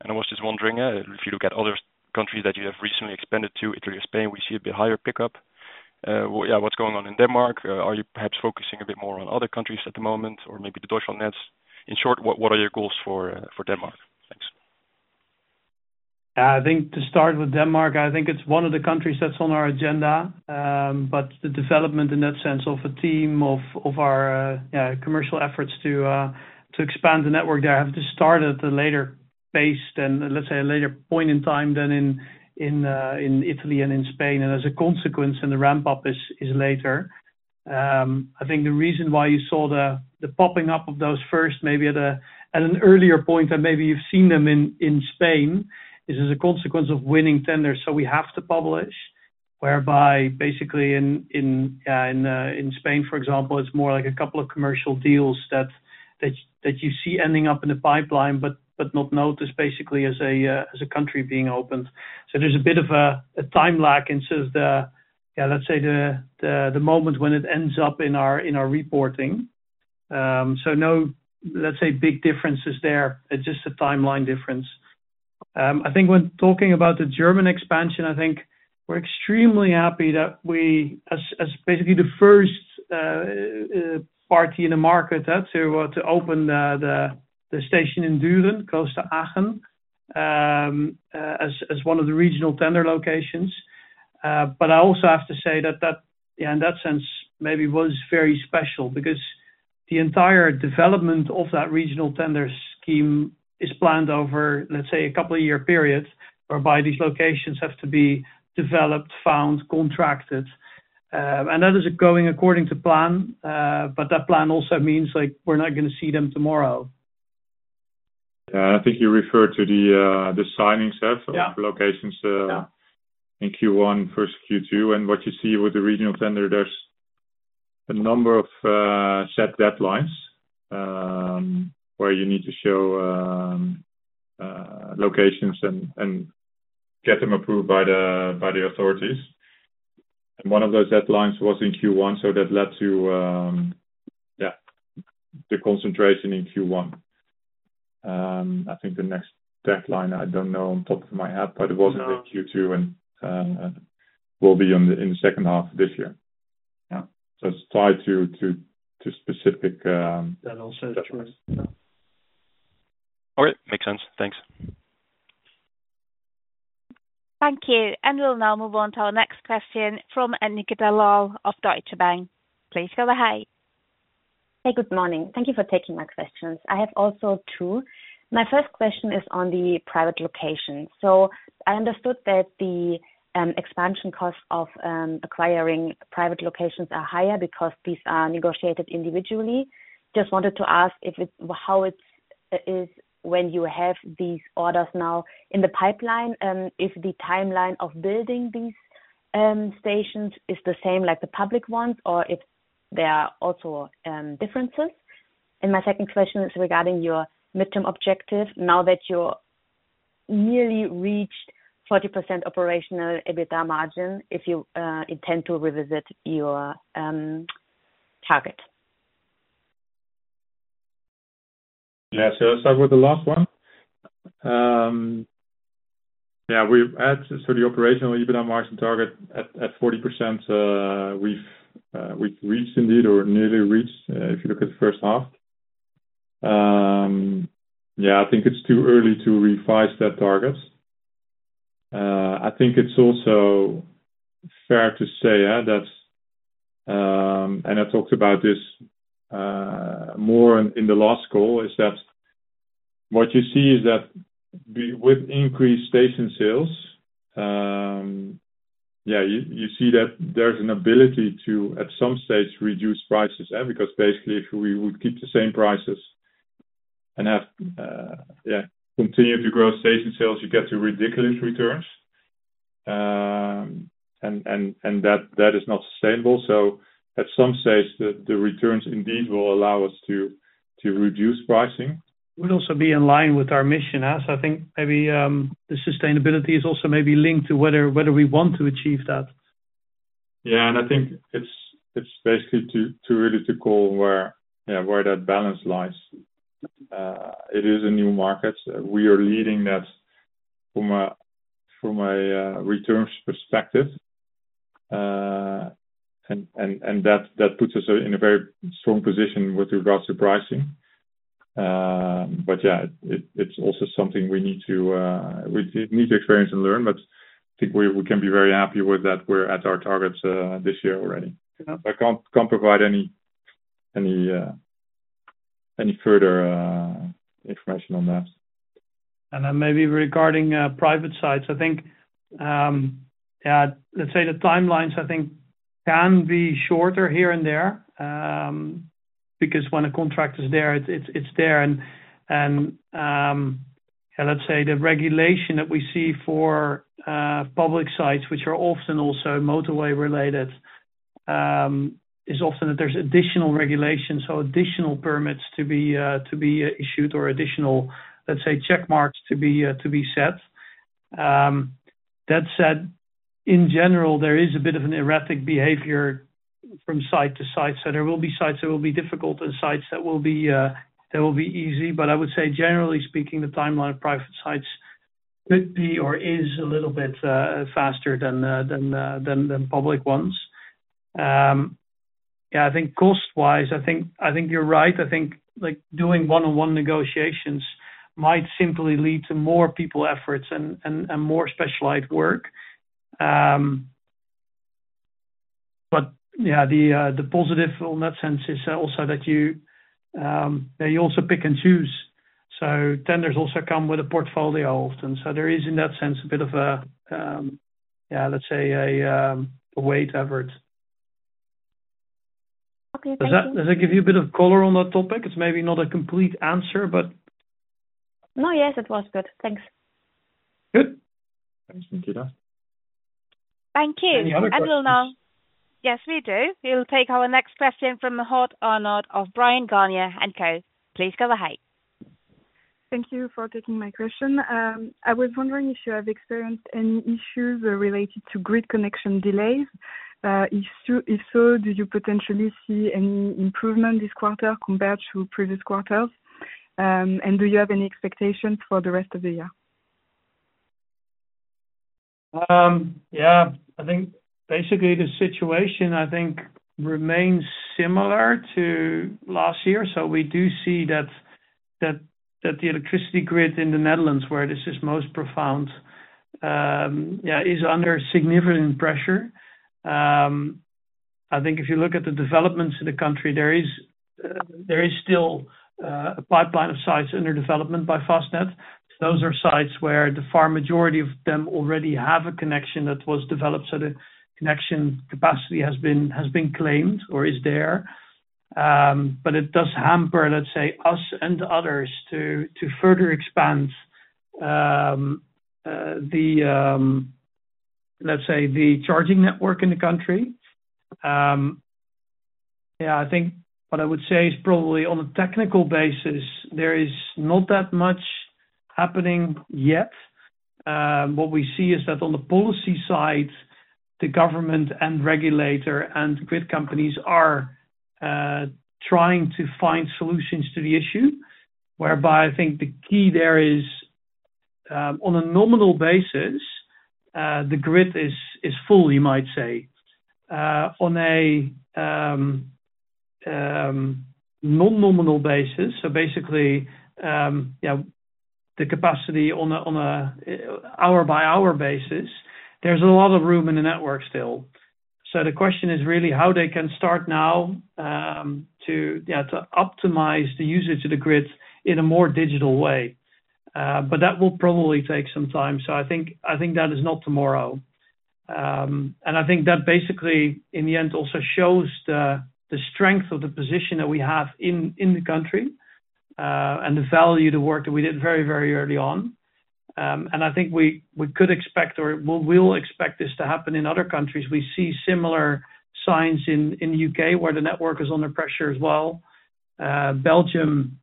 And I was just wondering, if you look at other countries that you have recently expanded to, Italy or Spain, we see a bit higher pickup. Yeah, what's going on in Denmark? Are you perhaps focusing a bit more on other countries at the moment, or maybe the Deutschlandnetz? In short, what, what are your goals for, for Denmark? Thanks. I think to start with Denmark, I think it's one of the countries that's on our agenda. But the development in that sense of a team of our commercial efforts to expand the network there have to start at a later phase than, let's say, a later point in time than in Italy and in Spain. And as a consequence, the ramp up is later. I think the reason why you saw the popping up of those first, maybe at an earlier point, and maybe you've seen them in Spain, is as a consequence of winning tenders, so we have to publish. Whereby, basically in Spain, for example, it's more like a couple of commercial deals that you see ending up in the pipeline, but not noticed basically as a country being opened. So there's a bit of a time lag in sort of the, let's say the moment when it ends up in our reporting. So no, let's say, big differences there. It's just a timeline difference. I think when talking about the German expansion, I think we're extremely happy that we... As basically the first party in the market to open the station in Düren, close to Aachen, as one of the regional tender locations. But I also have to say that, yeah, in that sense, maybe was very special. Because the entire development of that regional tender scheme is planned over, let's say, a couple of year periods, whereby these locations have to be developed, found, contracted. And that is going according to plan, but that plan also means, like, we're not gonna see them tomorrow. Yeah, I think you referred to the signing set- Yeah - of locations Yeah - in Q1, first Q2. What you see with the regional tender, there's a number of set deadlines, where you need to show locations and get them approved by the authorities. One of those deadlines was in Q1, so that led to, yeah, the concentration in Q1. I think the next deadline, I don't know on top of my head, but it was- No - in Q2, and will be in the second half of this year. Yeah. So it's tied to specific, That also is right.... Yeah. All right. Makes sense. Thanks. Thank you. We'll now move on to our next question from Nikitas Bello of Deutsche Bank. Please go ahead. Hey, good morning. Thank you for taking my questions. I have also two. My first question is on the private location. So I understood that the expansion cost of acquiring private locations are higher because these are negotiated individually. Just wanted to ask if it's how it is when you have these orders now in the pipeline, if the timeline of building these stations is the same like the public ones, or if there are also differences? And my second question is regarding your midterm objective. Now that you're nearly reached 40% operational EBITDA margin, if you intend to revisit your target. Yeah, so let's start with the last one. Yeah, we've added, so the operational EBITDA margin target at forty percent, we've reached indeed or nearly reached, if you look at the first half. Yeah, I think it's too early to revise that target. I think it's also fair to say, that and I talked about this, more in the last call, is that what you see is that with increased station sales, yeah, you see that there's an ability to, at some stage, reduce prices. And because basically if we would keep the same prices and have, yeah, continue to grow station sales, you get to ridiculous returns. And that is not sustainable. So at some stage, the returns indeed will allow us to reduce pricing. Would also be in line with our mission, as I think maybe, the sustainability is also maybe linked to whether we want to achieve that. Yeah, and I think it's basically too early to call where, yeah, where that balance lies. It is a new market. We are leading that from a returns perspective. And that puts us in a very strong position with regards to pricing. But yeah, it's also something we need to experience and learn, but I think we can be very happy with that we're at our targets this year already. Yeah. I can't provide any further information on that. And then maybe regarding private sites, I think, yeah, let's say the timelines, I think, can be shorter here and there. Because when a contract is there, it's there. And, and, let's say the regulation that we see for public sites, which are often also motorway related, is often that there's additional regulations, so additional permits to be issued or additional, let's say, check marks to be set. That said, in general, there is a bit of an erratic behavior from site to site. So there will be sites that will be difficult and sites that will be easy. But I would say, generally speaking, the timeline of private sites could be or is a little bit faster than public ones. Yeah, I think cost-wise, I think you're right. I think, like, doing one-on-one negotiations might simply lead to more people efforts and more specialized work. But yeah, the positive on that sense is also that you also pick and choose, so tenders also come with a portfolio often. So there is, in that sense, a bit of a, yeah, let's say a weight effort. Okay, thank you. Does that give you a bit of color on that topic? It's maybe not a complete answer, but... No, yes, it was good. Thanks. Good. Thanks, Nikitas. Thank you. Any other questions? And we'll now... Yes, we do. We'll take our next question from Mahaut Arnaud of Bryan, Garnier & Co. Please go ahead. Thank you for taking my question. I was wondering if you have experienced any issues related to grid connection delays? If so, do you potentially see any improvement this quarter compared to previous quarters? And do you have any expectations for the rest of the year? Yeah, I think basically the situation, I think, remains similar to last year. We do see that the electricity grid in the Netherlands, where this is most profound, is under significant pressure. I think if you look at the developments in the country, there is still a pipeline of sites under development by Fastned. Those are sites where the far majority of them already have a connection that was developed, so the connection capacity has been claimed or is there. It does hamper, let's say, us and others to further expand the, let's say, the charging network in the country. Yeah, I think what I would say is probably on a technical basis, there is not that much happening yet. What we see is that on the policy side, the government and regulator and grid companies are trying to find solutions to the issue, whereby I think the key there is on a nominal basis the grid is full, you might say. On a non-nominal basis, so basically, yeah, the capacity on a hour-by-hour basis, there's a lot of room in the network still. So the question is really how they can start now to yeah to optimize the usage of the grid in a more digital way. But that will probably take some time, so I think that is not tomorrow. And I think that basically, in the end, also shows the, the strength of the position that we have in, in the country, and the value of the work that we did very, very early on. And I think we, we could expect or we-we will expect this to happen in other countries. We see similar signs in, in the UK, where the network is under pressure as well. Belgium,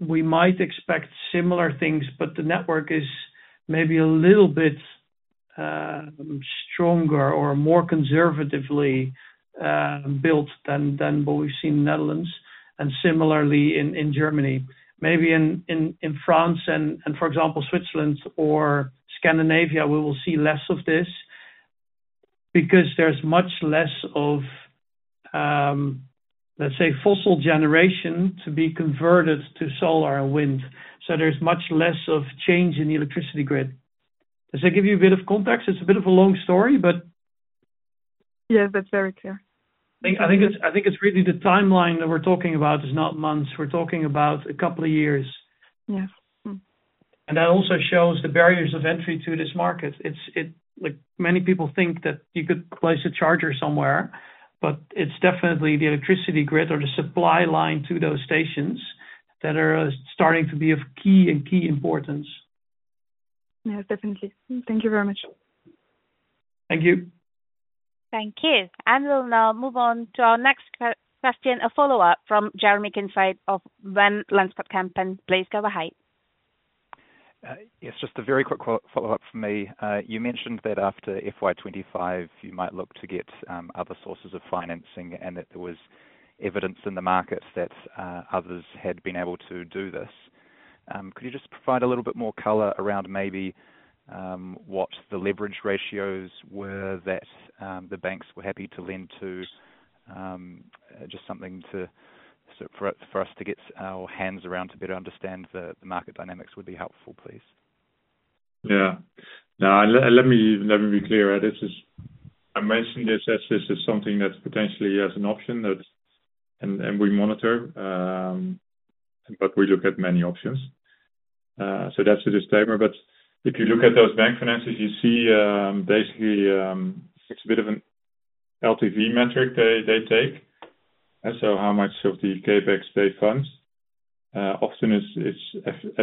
we might expect similar things, but the network is maybe a little bit, stronger or more conservatively, built than, than what we've seen in Netherlands and similarly in, in Germany. Maybe in France and for example, Switzerland or Scandinavia, we will see less of this, because there's much less of, let's say, fossil generation to be converted to solar and wind, so there's much less of change in the electricity grid. Does that give you a bit of context? It's a bit of a long story, but- Yes, that's very clear. I think it's really the timeline that we're talking about is not months. We're talking about a couple of years. Yeah. Mm. That also shows the barriers of entry to this market. It's like, many people think that you could place a charger somewhere, but it's definitely the electricity grid or the supply line to those stations that are starting to be of key and key importance. Yes, definitely. Thank you very much. Thank you. Thank you. And we'll now move on to our next question, a follow-up from Jeremy Kincaid of Van Lanschot Kempen. Please go ahead. Yes, just a very quick follow-up from me. You mentioned that after FY 25, you might look to get other sources of financing, and that there was evidence in the market that others had been able to do this. Could you just provide a little bit more color around maybe what the leverage ratios were that the banks were happy to lend to? Just something to sort for us to get our hands around to better understand the market dynamics would be helpful, please. Yeah. Now, let me be clear, this is... I mentioned this as this is something that potentially as an option that... And we monitor, but we look at many options. So that's the disclaimer. But if you look at those bank finances, you see, basically, it's a bit of an LTV metric they take, and so how much of the CapEx they funds. Often it's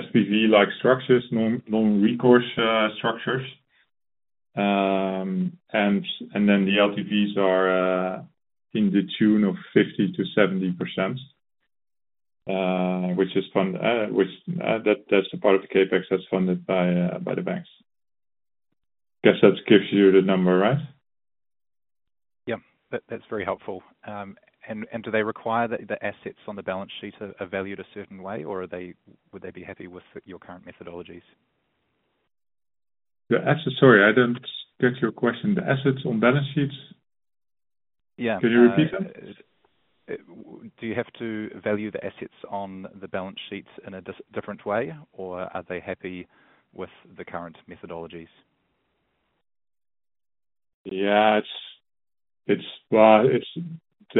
SPV-like structures, non-recourse structures. And then the LTVs are in the tune of 50%-70%, which is fund, which, that, that's the part of the CapEx that's funded by the banks. Guess that gives you the number, right? Yeah. That's very helpful. And do they require that the assets on the balance sheet are valued a certain way, or would they be happy with your current methodologies? The assets... Sorry, I don't get your question. The assets on balance sheets? Yeah. Can you repeat that? Do you have to value the assets on the balance sheets in a different way, or are they happy with the current methodologies? Yeah. Well, it's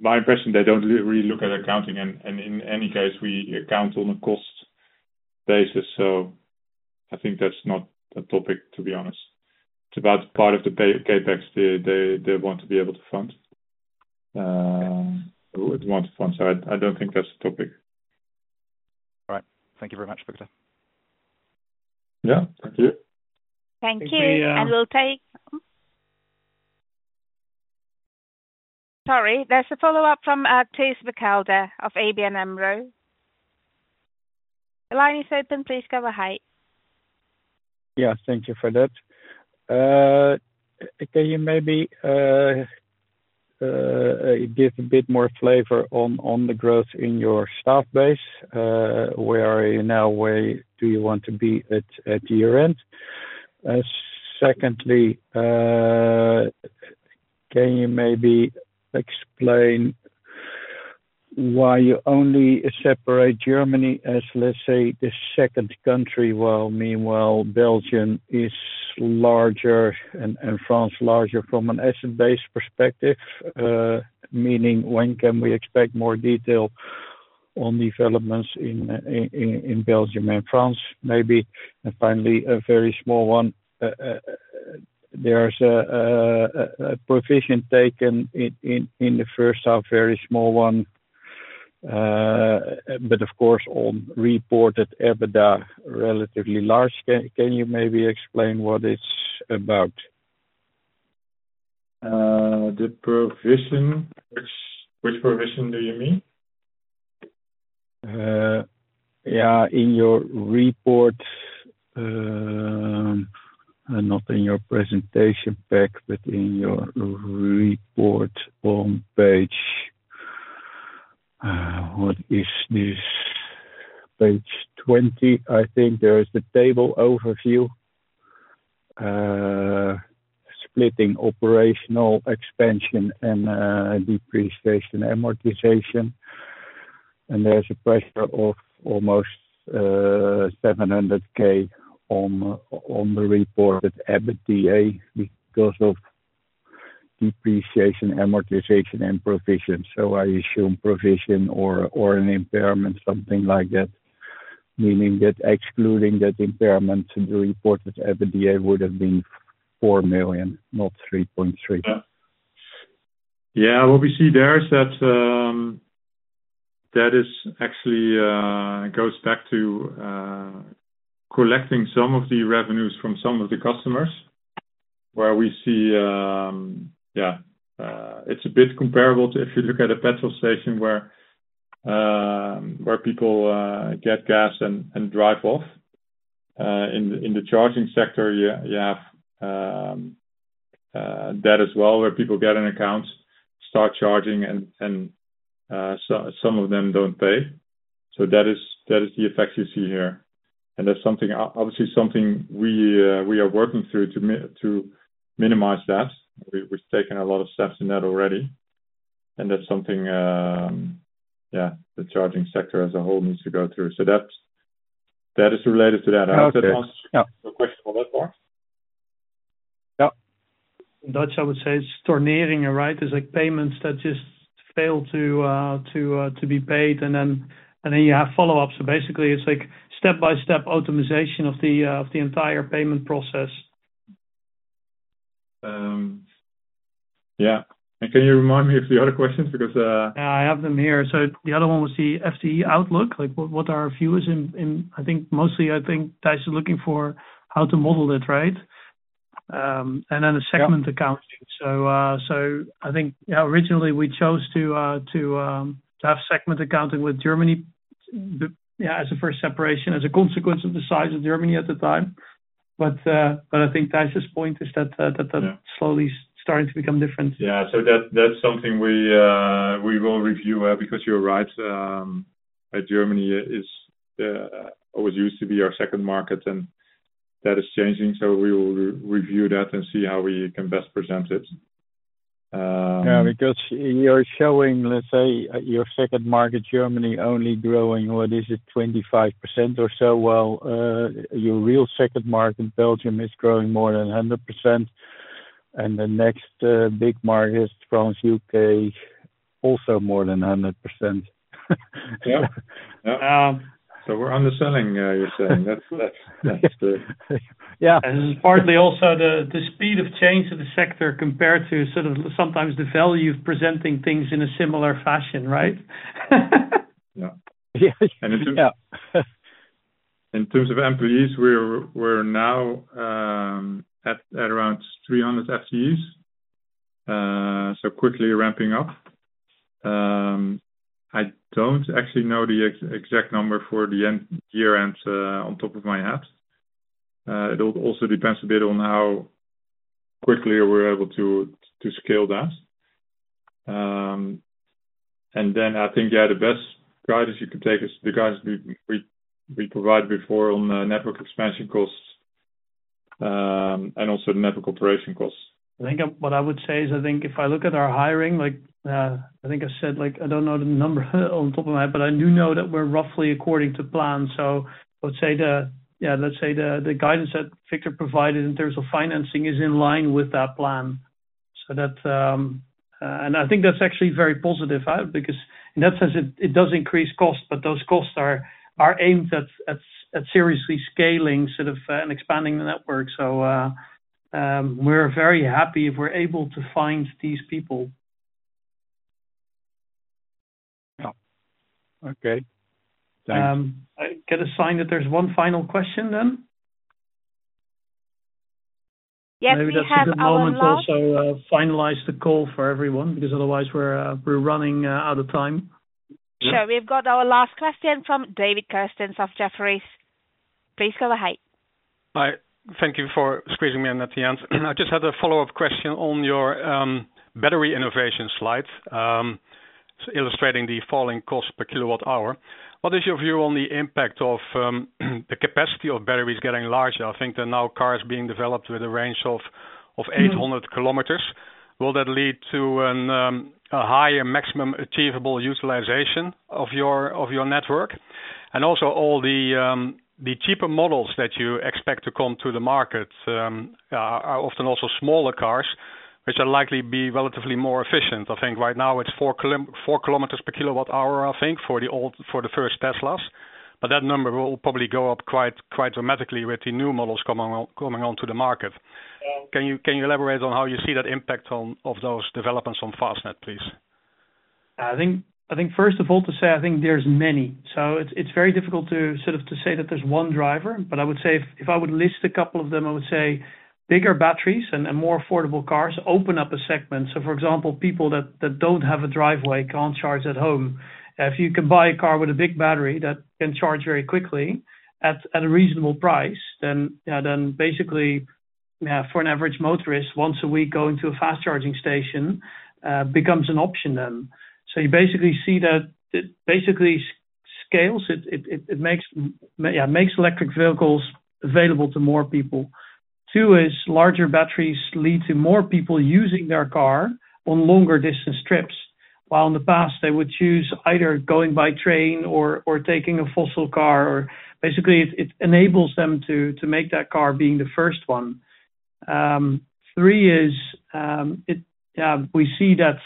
my impression, they don't really look at accounting, and in any case, we account on a cost basis, so I think that's not a topic, to be honest. It's about part of the CapEx they want to be able to fund, want to fund. So I don't think that's the topic. All right. Thank you very much, Victor. Yeah. Thank you. Thank you. Thank you. We'll take... Sorry, there's a follow-up from Thijs Berkelder of ABN AMRO. The line is open, please go ahead. Yeah, thank you for that. Can you maybe give a bit more flavor on the growth in your staff base? Where are you now, where do you want to be at year-end? Secondly, can you maybe explain why you only separate Germany as, let's say, the second country, while meanwhile, Belgium is larger and France larger from an asset-based perspective? Meaning, when can we expect more detail on the developments in Belgium and France, maybe? And finally, a very small one. There's a provision taken in the first half, very small one, but of course, on reported EBITDA, relatively large. Can you maybe explain what it's about? The provision, which provision do you mean? Yeah, in your report, not in your presentation deck, but in your report on page, what is this? Page 20, I think there is a table overview... splitting operational expansion and, depreciation amortization, and there's a pressure of almost 700K on the reported EBITDA because of depreciation, amortization, and provision. So I assume provision or, or an impairment, something like that, meaning that excluding that impairment to the reported EBITDA would have been 4 million, not 3.3 million. Yeah. Yeah, what we see there is that, that is actually goes back to collecting some of the revenues from some of the customers, where we see, it's a bit comparable to if you look at a petrol station where, where people get gas and, and drive off. In the charging sector, you, you have that as well, where people get an account, start charging, and, and some of them don't pay. So that is, that is the effect you see here. And that's something obviously, something we, we are working through to minimize that. We've, we've taken a lot of steps in that already, and that's something, the charging sector as a whole needs to go through. So that's, that is related to that. Okay. There was, yeah, a question on that one? Yeah. In Dutch, I would say it's [torneering, right? It's like payments that just fail to be paid, and then you have follow-ups. So basically, it's like step-by-step optimization of the entire payment process. Yeah. Can you remind me of the other questions? Because- Yeah, I have them here. So the other one was the FTE outlook. Like, what are our views in... I think, mostly I think Thijs is looking for how to model it, right? And then- Yeah the segment accounting. So, I think, yeah, originally, we chose to have segment accounting with Germany, yeah, as a first separation, as a consequence of the size of Germany at the time. But, I think Thijs' point is that, that- Yeah slowly starting to become different. Yeah, so that, that's something we, we will review, because you're right. Germany is, what used to be our second market, and that is changing, so we will re-review that and see how we can best present it. Yeah, because you're showing, let's say, your second market, Germany, only growing, what is it? 25% or so. Well, your real second market, Belgium, is growing more than 100%, and the next big market is France, UK, also more than 100%. Yeah. So we're underselling, you're saying. That's the- Yeah. And partly also the speed of change of the sector compared to sort of sometimes the value of presenting things in a similar fashion, right? Yeah. Yeah. In terms of employees, we're now at around 300 FTEs, so quickly ramping up. I don't actually know the exact number for the year end on top of my head. It also depends a bit on how quickly we're able to scale that. And then I think, yeah, the best guidance you can take is the guidance we provided before on network expansion costs, and also the network operation costs. I think, what I would say is, I think if I look at our hiring, like, I think I said, like, I don't know the number on top of my head, but I do know that we're roughly according to plan. So I would say the guidance that Victor provided in terms of financing is in line with that plan. So that and I think that's actually very positive, because in that sense, it does increase costs, but those costs are aimed at seriously scaling and expanding the network. So, we're very happy if we're able to find these people. Yeah. Okay. Thanks. I get a sign that there's one final question, then? Yes, we have our last- Maybe that's a good moment to also finalize the call for everyone, because otherwise, we're running out of time. Sure. We've got our last question from David Kerstens of Jefferies. Please go ahead. Hi. Thank you for squeezing me in at the end. I just had a follow-up question on your battery innovation slide illustrating the falling cost per kilowatt hour. What is your view on the impact of the capacity of batteries getting larger? I think there are now cars being developed with a range of 800 kilometers. Will that lead to a higher maximum achievable utilization of your network? And also, all the cheaper models that you expect to come to the market are often also smaller cars, which will likely be relatively more efficient. I think right now it's 4 kilometers per kilowatt hour, I think, for the first Teslas, but that number will probably go up quite, quite dramatically with the new models coming on, coming onto the market. Can you elaborate on how you see that impact on of those developments on Fastned, please? I think, I think first of all to say, I think there's many. So it's, it's very difficult to sort of to say that there's one driver, but I would say if, if I would list a couple of them, I would say bigger batteries and, and more affordable cars open up a segment. So, for example, people that, that don't have a driveway can't charge at home. If you can buy a car with a big battery that can charge very quickly at, at a reasonable price, then, yeah, then basically, yeah, for an average motorist, once a week going to a fast charging station becomes an option then. So you basically see that it basically scales. It makes, yeah, makes electric vehicles available to more people. Two is larger batteries lead to more people using their car on longer distance trips, while in the past, they would choose either going by train or taking a fossil car. Basically, it enables them to make that car being the first one. Three is, we see that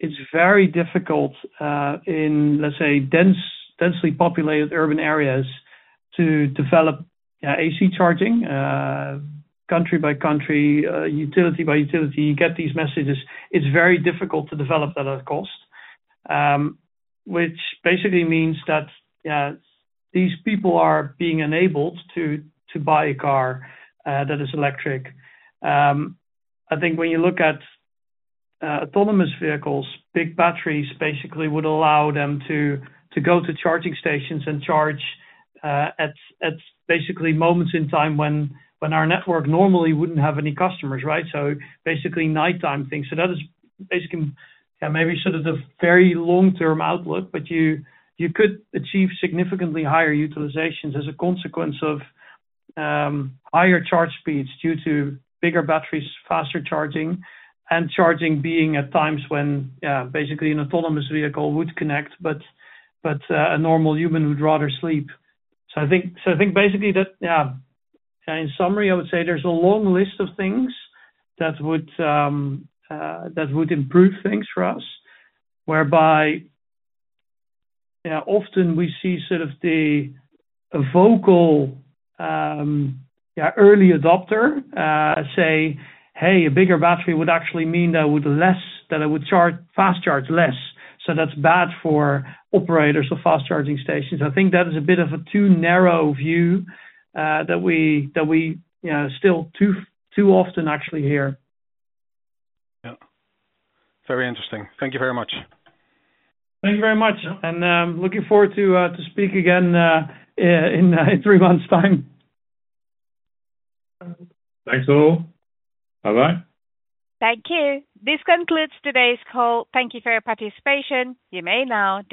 it's very difficult in, let's say, densely populated urban areas, to develop AC charging country by country, utility by utility, you get these messages. It's very difficult to develop that at cost, which basically means that these people are being enabled to buy a car that is electric. I think when you look at autonomous vehicles, big batteries basically would allow them to go to charging stations and charge at basically moments in time when our network normally wouldn't have any customers, right? So basically nighttime things. So that is basically, yeah, maybe sort of the very long-term outlook, but you could achieve significantly higher utilizations as a consequence of higher charge speeds due to bigger batteries, faster charging, and charging being at times when basically an autonomous vehicle would connect, but a normal human would rather sleep. So I think basically that, yeah, in summary, I would say there's a long list of things that would improve things for us, whereby, yeah, often we see sort of the vocal early adopter say, "Hey, a bigger battery would actually mean that with less, that I would charge, fast charge less." So that's bad for operators of fast charging stations. I think that is a bit of a too narrow view that we still too often actually hear. Yeah. Very interesting. Thank you very much. Thank you very much, and looking forward to speak again in three months' time. Thanks all. Bye-bye. Thank you. This concludes today's call. Thank you for your participation. You may now disconnect.